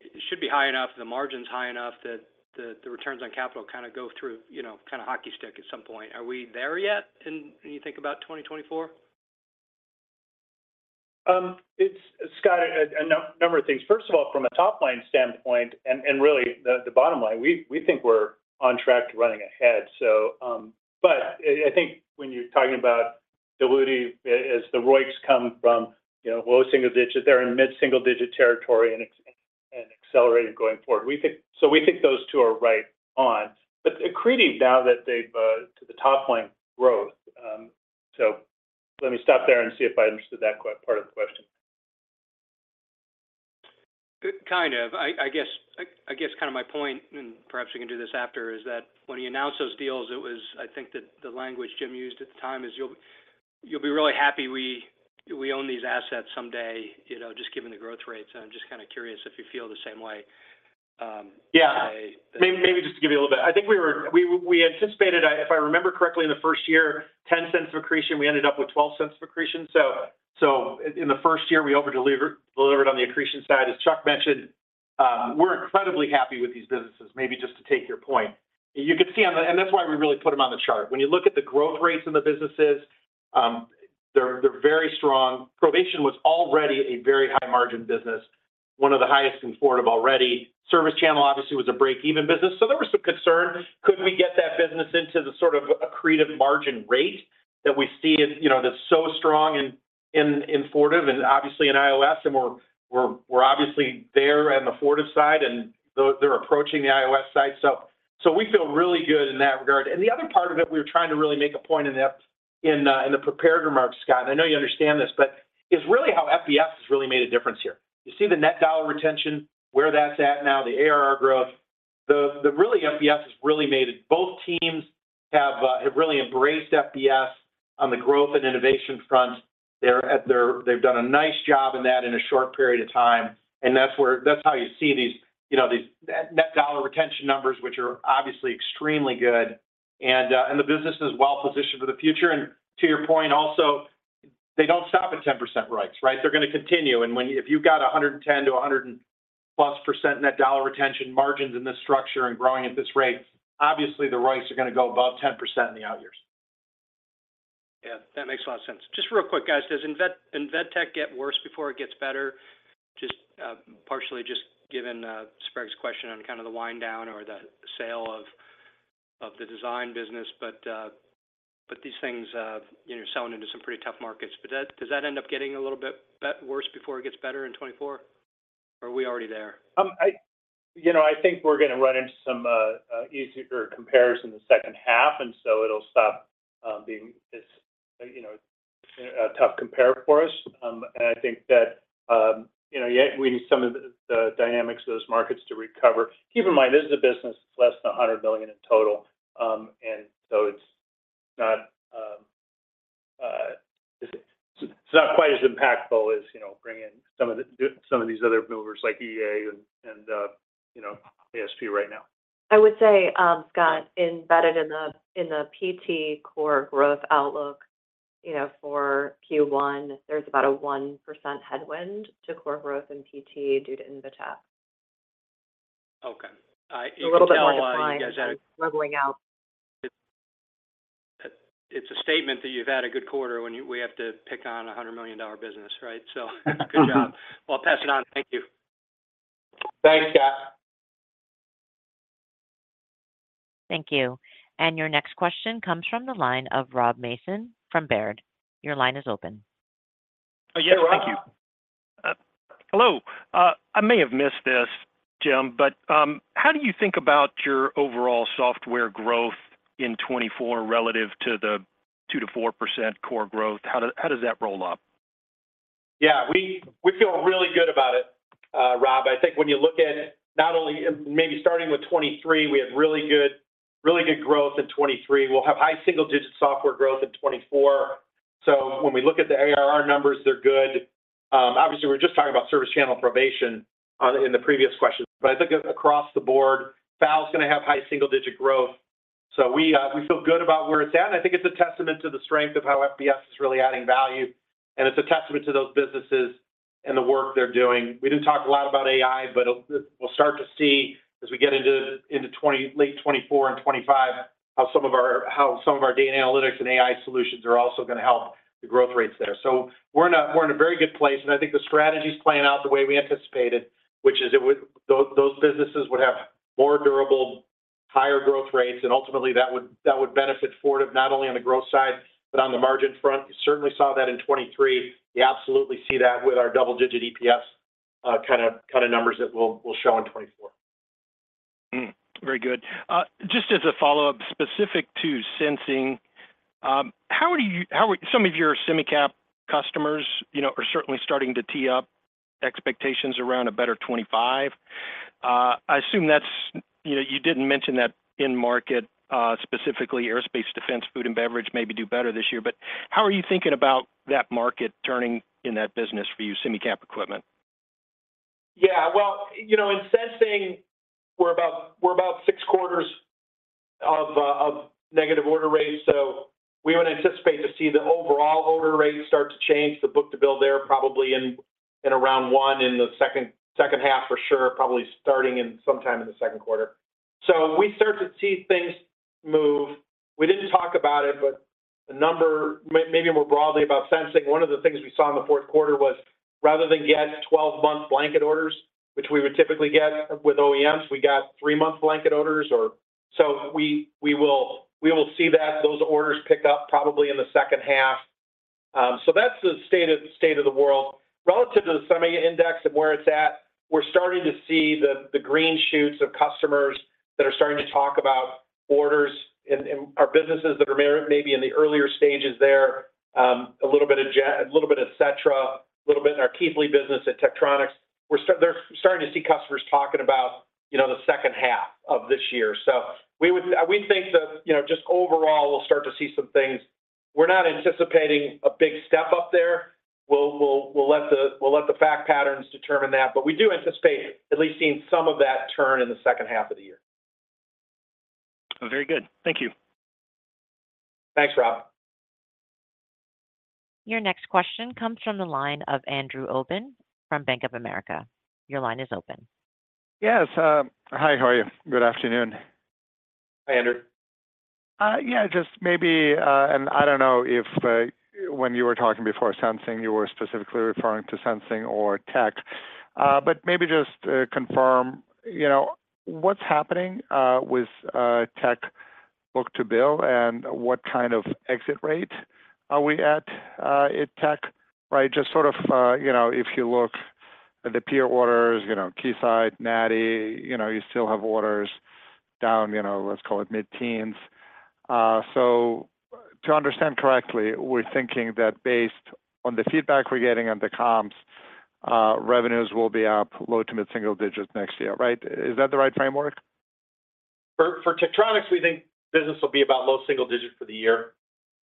it should be high enough, the margin's high enough that the returns on capital kind of go through, you know, kind of hockey stick at some point. Are we there yet in when you think about 2024? It's, Scott, a number of things. First of all, from a top-line standpoint, and really the bottom line, we think we're on track to running ahead. So, but I think when you're talking about diluting as the ROICs come from, you know, low single digits, they're in mid-single-digit territory and accelerating going forward. We think so we think those two are right on. But accreting now that they've to the top-line growth. So let me stop there and see if I understood that part of the question. Good, kind of. I guess kind of my point, and perhaps we can do this after, is that when you announce those deals, it was, I think the language Jim used at the time is, "You'll be really happy we own these assets someday," you know, just given the growth rates. And I'm just kind of curious if you feel the same way. Yeah... I- Maybe just to give you a little bit. I think we anticipated, if I remember correctly, in the first year, $0.10 of accretion, we ended up with $0.12 of accretion. So in the first year, we overdelivered on the accretion side. As Chuck mentioned, we're incredibly happy with these businesses, maybe just to take your point. You could see on the chart, and that's why we really put them on the chart. When you look at the growth rates in the businesses, they're very strong. Provation was already a very high-margin business, one of the highest in Fortive already. ServiceChannel, obviously, was a break-even business, so there was some concern. Could we get that business into the sort of accretive margin rate that we see in, you know, that's so strong in Fortive and obviously in IOS? And we're obviously there on the Fortive side, and they're approaching the IOS side. So we feel really good in that regard. And the other part of it, we were trying to really make a point in the prepared remarks, Scott, and I know you understand this, but is really how FBS has really made a difference here. You see the net dollar retention, where that's at now, the ARR growth. The really FBS has really made it. Both teams have really embraced FBS on the growth and innovation front. They've done a nice job in that in a short period of time, and that's how you see these, you know, these net, net dollar retention numbers, which are obviously extremely good. And the business is well positioned for the future. And to your point also, they don't stop at 10% ROICs, right? They're gonna continue. And if you've got 110-100+ % net dollar retention margins in this structure and growing at this rate, obviously, the ROICs are gonna go above 10% in the outyears. Yeah, that makes a lot of sense. Just real quick, guys, does Invetech get worse before it gets better? Just, partially just given, Sprague's question on kind of the wind down or the sale of, of the design business. But, but these things, you know, selling into some pretty tough markets. But does, does that end up getting a little bit, worse before it gets better in 2024, or are we already there? You know, I think we're gonna run into some easier comparison in the second half, and so it'll stop being this and a tough compare for us. And I think that, you know, yeah, we need some of the dynamics of those markets to recover. Keep in mind, this is a business that's less than $100 million in total. And so it's not quite as impactful as, you know, bringing some of these other movers like EA and ASP right now. I would say, Scott, embedded in the PT core growth outlook, you know, for Q1, there's about a 1% headwind to core growth in PT due to Invetech. Okay. I- A little bit more decline than leveling out. It's a statement that you've had a good quarter when you—we have to pick on a $100 million business, right? So good job. Well, pass it on. Thank you. Thanks, Scott. Thank you. Your next question comes from the line of Rob Mason from Baird. Your line is open. Yeah, thank you. Hello. I may have missed this, Jim, but how do you think about your overall software growth in 2024 relative to the 2%-4% core growth? How does that roll up? Yeah, we, we feel really good about it, Rob. I think when you look at not only, maybe starting with 2023, we had really good, really good growth in 2023. We'll have high single-digit software growth in 2024. So when we look at the ARR numbers, they're good. Obviously, we're just talking about ServiceChannel, Provation in the previous questions, but I think across the board, VAL is gonna have high single-digit growth. So we, we feel good about where it's at, and I think it's a testament to the strength of how FBS is really adding value, and it's a testament to those businesses and the work they're doing. We didn't talk a lot about AI, but it—we'll start to see as we get into, into late 2024 and 2025, how some of our—how some of our data analytics and AI solutions are also gonna help the growth rates there. So we're in a, we're in a very good place, and I think the strategy is playing out the way we anticipated, which is it would—those, those businesses would have more durable, higher growth rates, and ultimately, that would, that would benefit Fortive, not only on the growth side but on the margin front. You certainly saw that in 2023. You absolutely see that with our double-digit EPS kinda, kinda numbers that we'll, we'll show in 2024. Very good. Just as a follow-up, specific to sensing, how are some of your semi cap customers, you know, certainly starting to tee up expectations around a better 2025. I assume that's, you know, you didn't mention that in market, specifically aerospace, defense, food, and beverage, maybe do better this year. But how are you thinking about that market turning in that business for you, semicap equipment? Yeah, well, you know, in sensing, we're about six quarters of negative order rates, so we would anticipate to see the overall order rate start to change. The book-to-bill there, probably in around one in the second half for sure, probably starting sometime in the second quarter. So we start to see things move. We didn't talk about it, but maybe more broadly about sensing, one of the things we saw in the fourth quarter was, rather than get 12-month blanket orders, which we would typically get with OEMs, we got 3-month blanket orders or... So we will see that those orders pick up probably in the second half. So that's the state of the world. Relative to the semi index and where it's at, we're starting to see the green shoots of customers that are starting to talk about orders in our businesses that are maybe in the earlier stages there, a little bit of Japan, a little bit of China, a little bit in our Keithley business at Tektronix. We're they're starting to see customers talking about, you know, the second half of this year. So we think that, you know, just overall, we'll start to see some things. We're not anticipating a big step up there. We'll let the fact patterns determine that, but we do anticipate at least seeing some of that turn in the second half of the year. Very good. Thank you. Thanks, Rob. Your next question comes from the line of Andrew Obin from Bank of America. Your line is open. Yes. Hi, how are you? Good afternoon. Hi, Andrew. Yeah, just maybe, and I don't know if, when you were talking before sensing, you were specifically referring to sensing or tech, but maybe just confirm, you know, what's happening with tech book-to-bill and what kind of exit rate are we at in tech, right? Just sort of, you know, if you look at the peer orders, you know, Keysight, NI, you know, you still have orders down, you know, let's call it mid-teens. So to understand correctly, we're thinking that based on the feedback we're getting on the comps, revenues will be up low to mid-single digits next year, right? Is that the right framework? For Tektronix, we think business will be about low single digits for the year.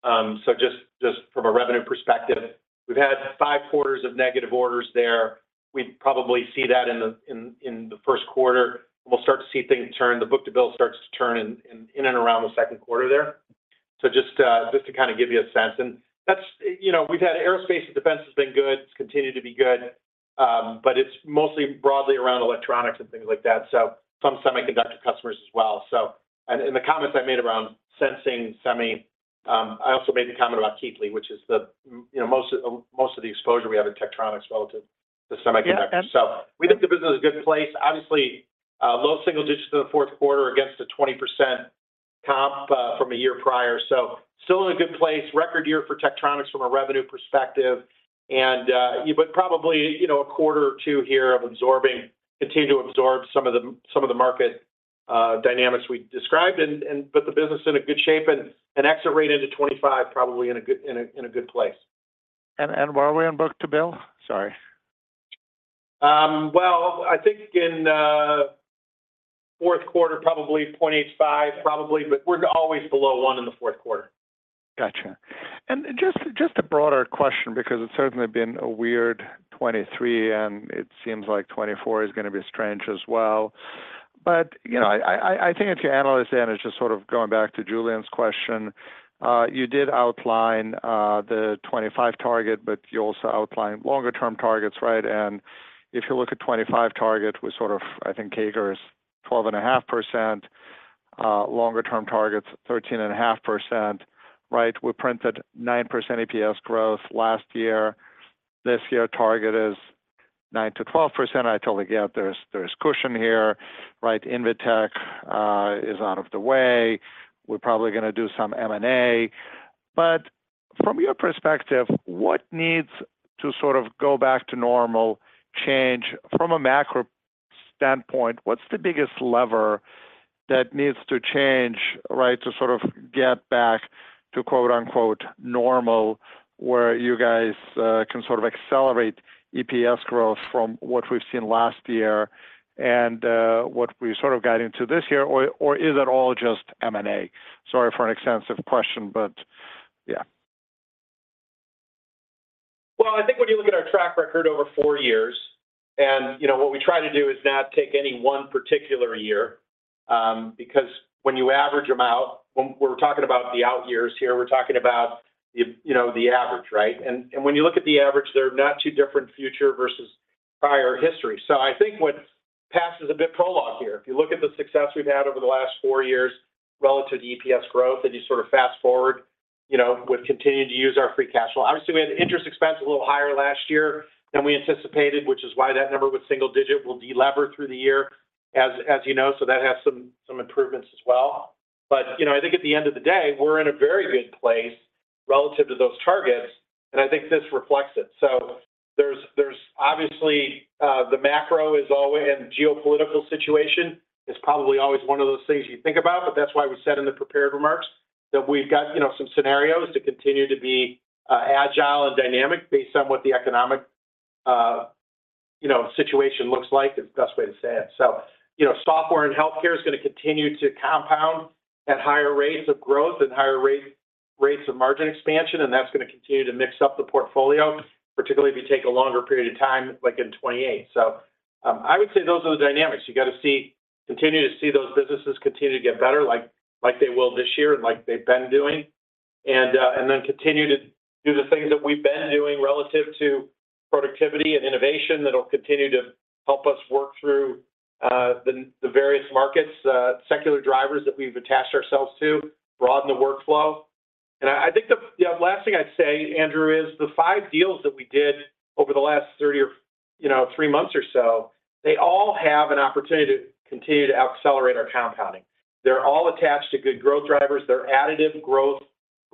So just from a revenue perspective, we've had five quarters of negative orders there. We'd probably see that in the first quarter. We'll start to see things turn, the book to bill starts to turn in and around the second quarter there. So just to kind of give you a sense, and that's, you know, we've had aerospace and defense has been good. It's continued to be good, but it's mostly broadly around electronics and things like that, so some semiconductor customers as well. So and in the comments I made around sensing, semi, I also made the comment about Keithley, which is the, you know, most of the exposure we have in Tektronix relative to semiconductors. Yeah. So we think the business is a good place. Obviously, low single digits in the fourth quarter against a 20% comp from a year prior, so still in a good place. Record year for Tektronix from a revenue perspective, and but probably, you know, a quarter or two here of absorbing continue to absorb some of the, some of the market dynamics we described and put the business in a good shape and exit rate into 2025, probably in a good, in a, in a good place. Where are we on book to bill? Sorry. Well, I think in fourth quarter, probably $0.85 probably, but we're always below $1 in the fourth quarter. Gotcha. And just a broader question, because it's certainly been a weird 2023, and it seems like 2024 is gonna be strange as well. But you know, I think if you analyze it, and it's just sort of going back to Julian's question, you did outline the 2025 target, but you also outlined longer term targets, right? And if you look at 2025 target, we sort of, I think, CAGR is 12.5%, longer-term target is 13.5%, right? We printed 9% EPS growth last year. This year, target is 9%-12%. I totally get there's cushion here, right? Invetech is out of the way. We're probably gonna do some M&A, but from your perspective, what needs to sort of go back to normal change from a macro standpoint, what's the biggest lever that needs to change, right, to sort of get back to, quote-unquote, "normal," where you guys can sort of accelerate EPS growth from what we've seen last year and what we sort of got into this year? Or, or is it all just M&A? Sorry for an extensive question, but yeah. Well, I think when you look at our track record over four years, and, you know, what we try to do is not take any one particular year, because when you average them out, when we're talking about the out years here, we're talking about the, you know, the average, right? And when you look at the average, they're not too different future versus prior history. So I think what passes a bit prologue here, if you look at the success we've had over the last four years relative to EPS growth, and you sort of fast forward, you know, we've continued to use our free cash flow. Obviously, we had interest expense a little higher last year than we anticipated, which is why that number with single digit will delever through the year, as you know, so that has some improvements as well. But, you know, I think at the end of the day, we're in a very good place relative to those targets, and I think this reflects it. So there's, there's obviously, the macro is always and geopolitical situation is probably always one of those things you think about, but that's why we said in the prepared remarks that we've got, you know, some scenarios to continue to be, agile and dynamic based on what the economic, you know, situation looks like, is the best way to say it. So, you know, software and healthcare is gonna continue to compound at higher rates of growth and higher rate-rates of margin expansion, and that's gonna continue to mix up the portfolio, particularly if you take a longer period of time, like in 2028. So, I would say those are the dynamics. You got to continue to see those businesses continue to get better, like, like they will this year and like they've been doing, and then continue to do the things that we've been doing relative to productivity and innovation that'll continue to help us work through the various markets, secular drivers that we've attached ourselves to broaden the workflow. And I think the last thing I'd say, Andrew, is the 5 deals that we did over the last 30 or, you know, 3 months or so. They all have an opportunity to continue to accelerate our compounding. They're all attached to good growth drivers. They're additive growth,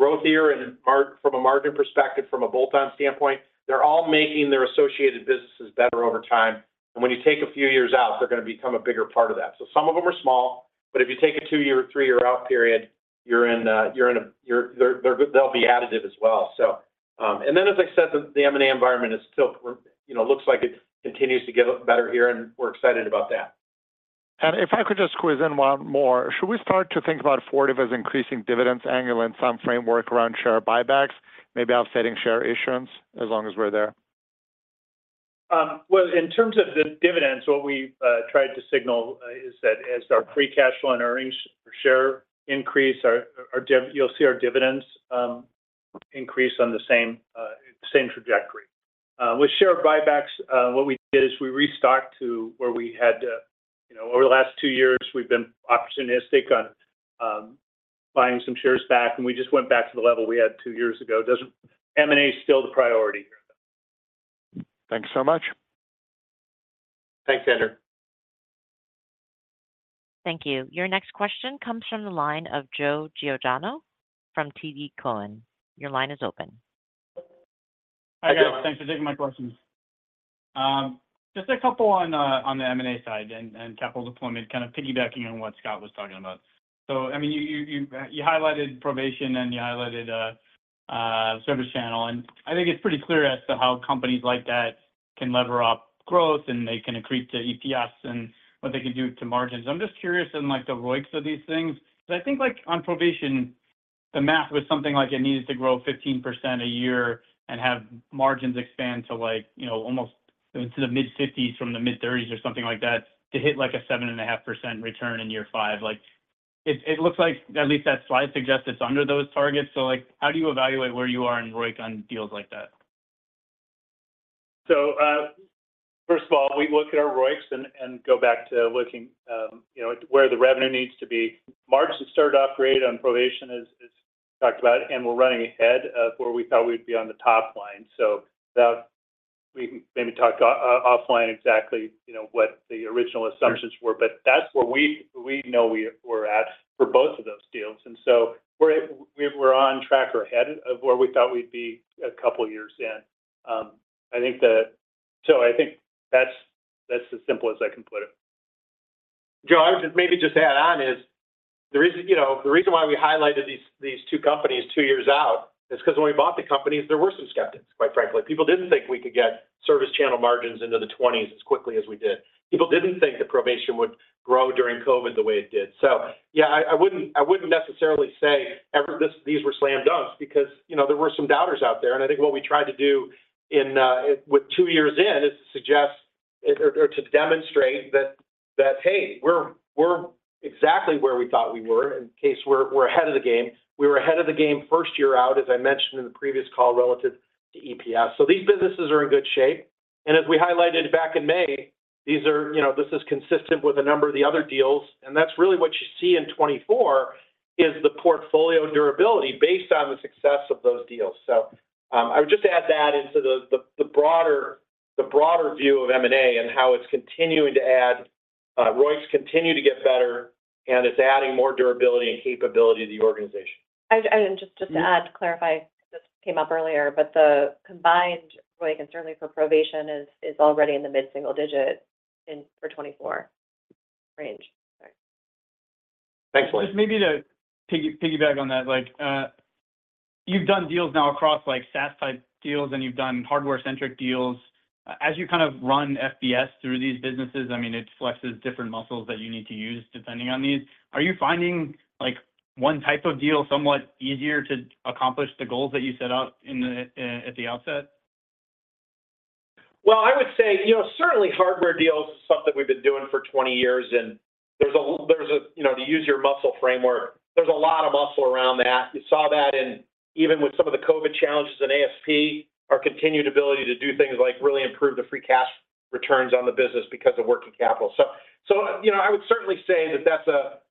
growthier, and margin from a margin perspective, from a bolt-on standpoint. They're all making their associated businesses better over time. And when you take a few years out, they're gonna become a bigger part of that. So some of them are small, but if you take a 2-year, 3-year out period, they'll be additive as well, so. And then, as I said, the M&A environment is still, you know, looks like it continues to get better here, and we're excited about that. If I could just squeeze in one more, should we start to think about Fortive as increasing dividends annual and some framework around share buybacks, maybe offsetting share issuance, as long as we're there? Well, in terms of the dividends, what we tried to signal is that as our free cash flow and earnings per share increase, you'll see our dividends increase on the same trajectory. With share buybacks, what we did is we restocked to where we had. You know, over the last two years, we've been opportunistic on buying some shares back, and we just went back to the level we had two years ago. M&A is still the priority. Thanks so much. Thanks, Andrew. Thank you. Your next question comes from the line of Joe Giordano from TD Cowen. Your line is open. Hi, guys. Thanks for taking my questions. Just a couple on the M&A side and capital deployment, kind of piggybacking on what Scott was talking about. So, I mean, you highlighted Provation, and you highlighted ServiceChannel, and I think it's pretty clear as to how companies like that can lever up growth, and they can accrete to EPS and what they can do to margins. I'm just curious, like, the ROICs of these things, because I think, like, on Provation, the math was something like it needed to grow 15% a year and have margins expand to, like, you know, almost into the mid-50s from the mid-30s or something like that, to hit, like, a 7.5% return in year 5. Like, it looks like at least that slide suggests it's under those targets. Like, how do you evaluate where you are in ROIC on deals like that? So, first of all, we look at our ROICs and go back to looking, you know, where the revenue needs to be. Margins started off great on Provation, as talked about, and we're running ahead of where we thought we'd be on the top line. So that we can maybe talk offline exactly, you know, what the original assumptions were. But that's where we know we- for both of those deals, and so we're on track or ahead of where we thought we'd be a couple of years in. I think that's as simple as I can put it. Joe, I would just maybe just add on is, the reason, you know, the reason why we highlighted these, these two companies two years out is 'cause when we bought the companies, there were some skeptics, quite frankly. People didn't think we could get ServiceChannel margins into the twenties as quickly as we did. People didn't think that Provation would grow during COVID the way it did. So, yeah, I wouldn't necessarily say that these were slam dunks because, you know, there were some doubters out there, and I think what we tried to do in with two years in, is to suggest or to demonstrate that, "Hey, we're exactly where we thought we were, in case we're ahead of the game." We were ahead of the game first year out, as I mentioned in the previous call, relative to EPS. So these businesses are in good shape, and as we highlighted back in May, these are, you know, this is consistent with a number of the other deals, and that's really what you see in 2024, is the portfolio durability based on the success of those deals. So, I would just add that into the broader view of M&A and how it's continuing to add... ROIC continue to get better, and it's adding more durability and capability to the organization. Just to add, to clarify, this came up earlier, but the combined ROIC, and certainly for Provation, is already in the mid-single-digit range for 2024. Thanks. Just maybe to piggyback on that, like, you've done deals now across like SaaS type deals, and you've done hardware-centric deals. As you kind of run FBS through these businesses, I mean, it flexes different muscles that you need to use depending on these. Are you finding, like, one type of deal somewhat easier to accomplish the goals that you set out in the at the outset? Well, I would say, you know, certainly hardware deals is something we've been doing for 20 years, and there's a, you know, to use your muscle framework, there's a lot of muscle around that. You saw that in even with some of the COVID challenges in ASP, our continued ability to do things like really improve the free cash returns on the business because of working capital. So, so, you know, I would certainly say that that's,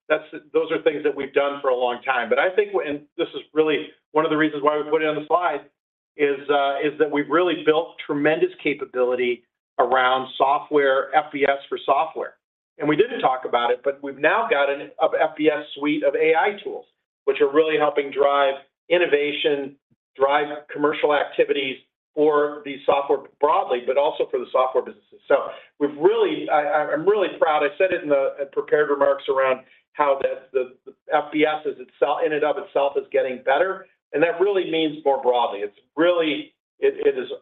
that's, those are things that we've done for a long time. But I think, and this is really one of the reasons why we put it on the slide, is, is that we've really built tremendous capability around software, FBS for software. And we didn't talk about it, but we've now got a FBS suite of AI tools, which are really helping drive innovation, drive commercial activities for the software broadly, but also for the software businesses. So we've really. I'm really proud. I said it in the prepared remarks around how the FBS is itself, in and of itself, getting better, and that really means more broadly. It's really.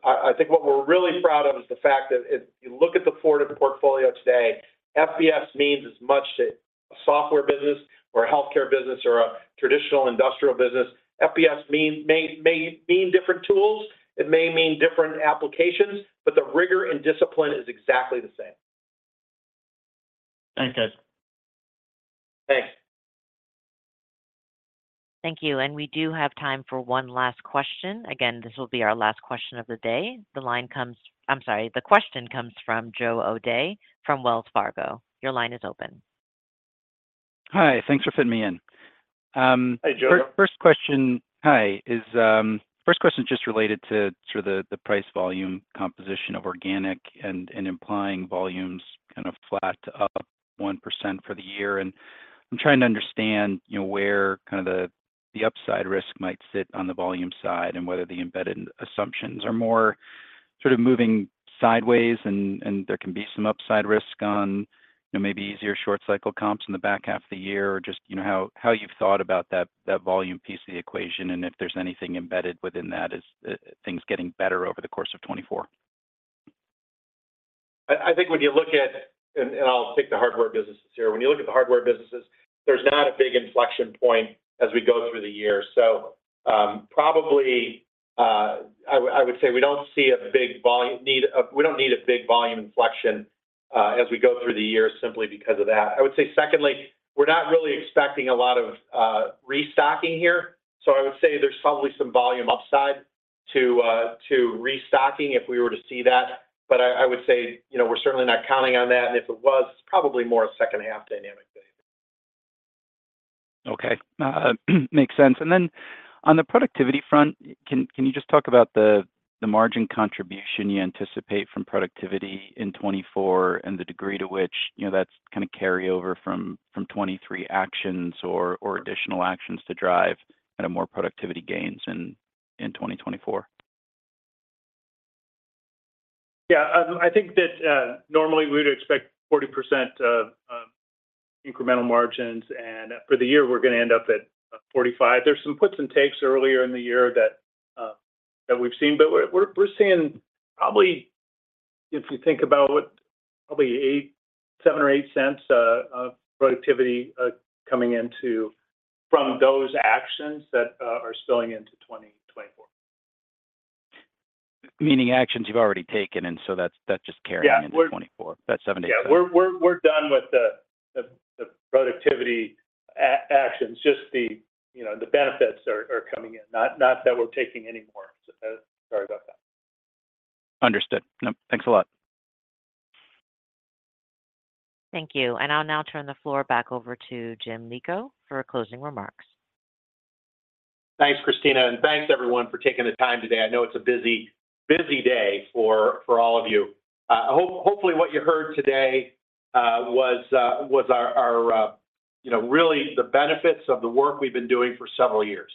I think what we're really proud of is the fact that if you look at the forward of the portfolio today, FBS means as much to a software business or a healthcare business or a traditional industrial business. FBS may mean different tools, it may mean different applications, but the rigor and discipline is exactly the same. Thanks, guys. Thanks. Thank you, and we do have time for one last question. Again, this will be our last question of the day. The line comes... I'm sorry, the question comes from Joe O'Dea, from Wells Fargo. Your line is open. Hi, thanks for fitting me in. Hi, Joe. First question... Hi, is, first question is just related to sort of the, the price-volume composition of organic and, and implying volumes kind of flat to up 1% for the year. And I'm trying to understand, you know, where kind of the, the upside risk might sit on the volume side, and whether the embedded assumptions are more sort of moving sideways, and, and there can be some upside risk on, you know, maybe easier short cycle comps in the back half of the year or just, you know, how, how you've thought about that, that volume piece of the equation, and if there's anything embedded within that as, things getting better over the course of 2024. I think when you look at... and I'll take the hardware businesses here. When you look at the hardware businesses, there's not a big inflection point as we go through the year. So, probably, I would say we don't see a big volume need, we don't need a big volume inflection, as we go through the year simply because of that. I would say secondly, we're not really expecting a lot of restocking here. So I would say there's probably some volume upside to restocking if we were to see that. But I would say, you know, we're certainly not counting on that, and if it was, it's probably more a second half dynamic there. Okay, makes sense. And then on the productivity front, can you just talk about the margin contribution you anticipate from productivity in 2024 and the degree to which, you know, that's kinda carry over from 2023 actions or additional actions to drive kind of more productivity gains in 2024? Yeah, I think that normally we would expect 40% of incremental margins, and for the year, we're gonna end up at 45%. There's some puts and takes earlier in the year that we've seen, but we're seeing probably, if you think about what, probably 7 or 8 cents of productivity coming into... from those actions that are spilling into 2024. Meaning actions you've already taken, and so that's, that's just carrying- Yeah... into 2024. That's seven, eight- Yeah, we're done with the productivity actions, just, you know, the benefits are coming in, not that we're taking any more. Sorry about that. Understood. No, thanks a lot. Thank you, and I'll now turn the floor back over to Jim Lico for closing remarks. Thanks, Christina, and thanks everyone for taking the time today. I know it's a busy, busy day for all of you. I hope hopefully what you heard today was our you know really the benefits of the work we've been doing for several years,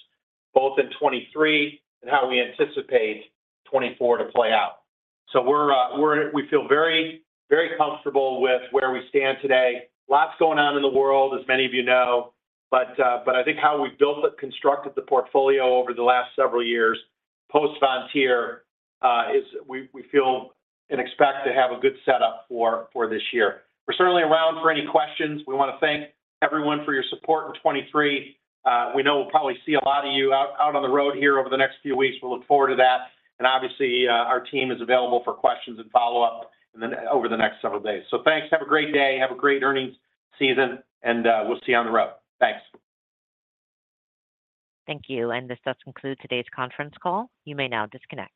both in 2023 and how we anticipate 2024 to play out. So we feel very, very comfortable with where we stand today. Lots going on in the world, as many of you know, but I think how we've built and constructed the portfolio over the last several years, post-spin, is we feel and expect to have a good setup for this year. We're certainly around for any questions. We wanna thank everyone for your support in 2023. We know we'll probably see a lot of you out on the road here over the next few weeks. We look forward to that, and obviously, our team is available for questions and follow-up and then over the next several days. So thanks. Have a great day, have a great earnings season, and, we'll see you on the road. Thanks. Thank you, and this does conclude today's conference call. You may now disconnect.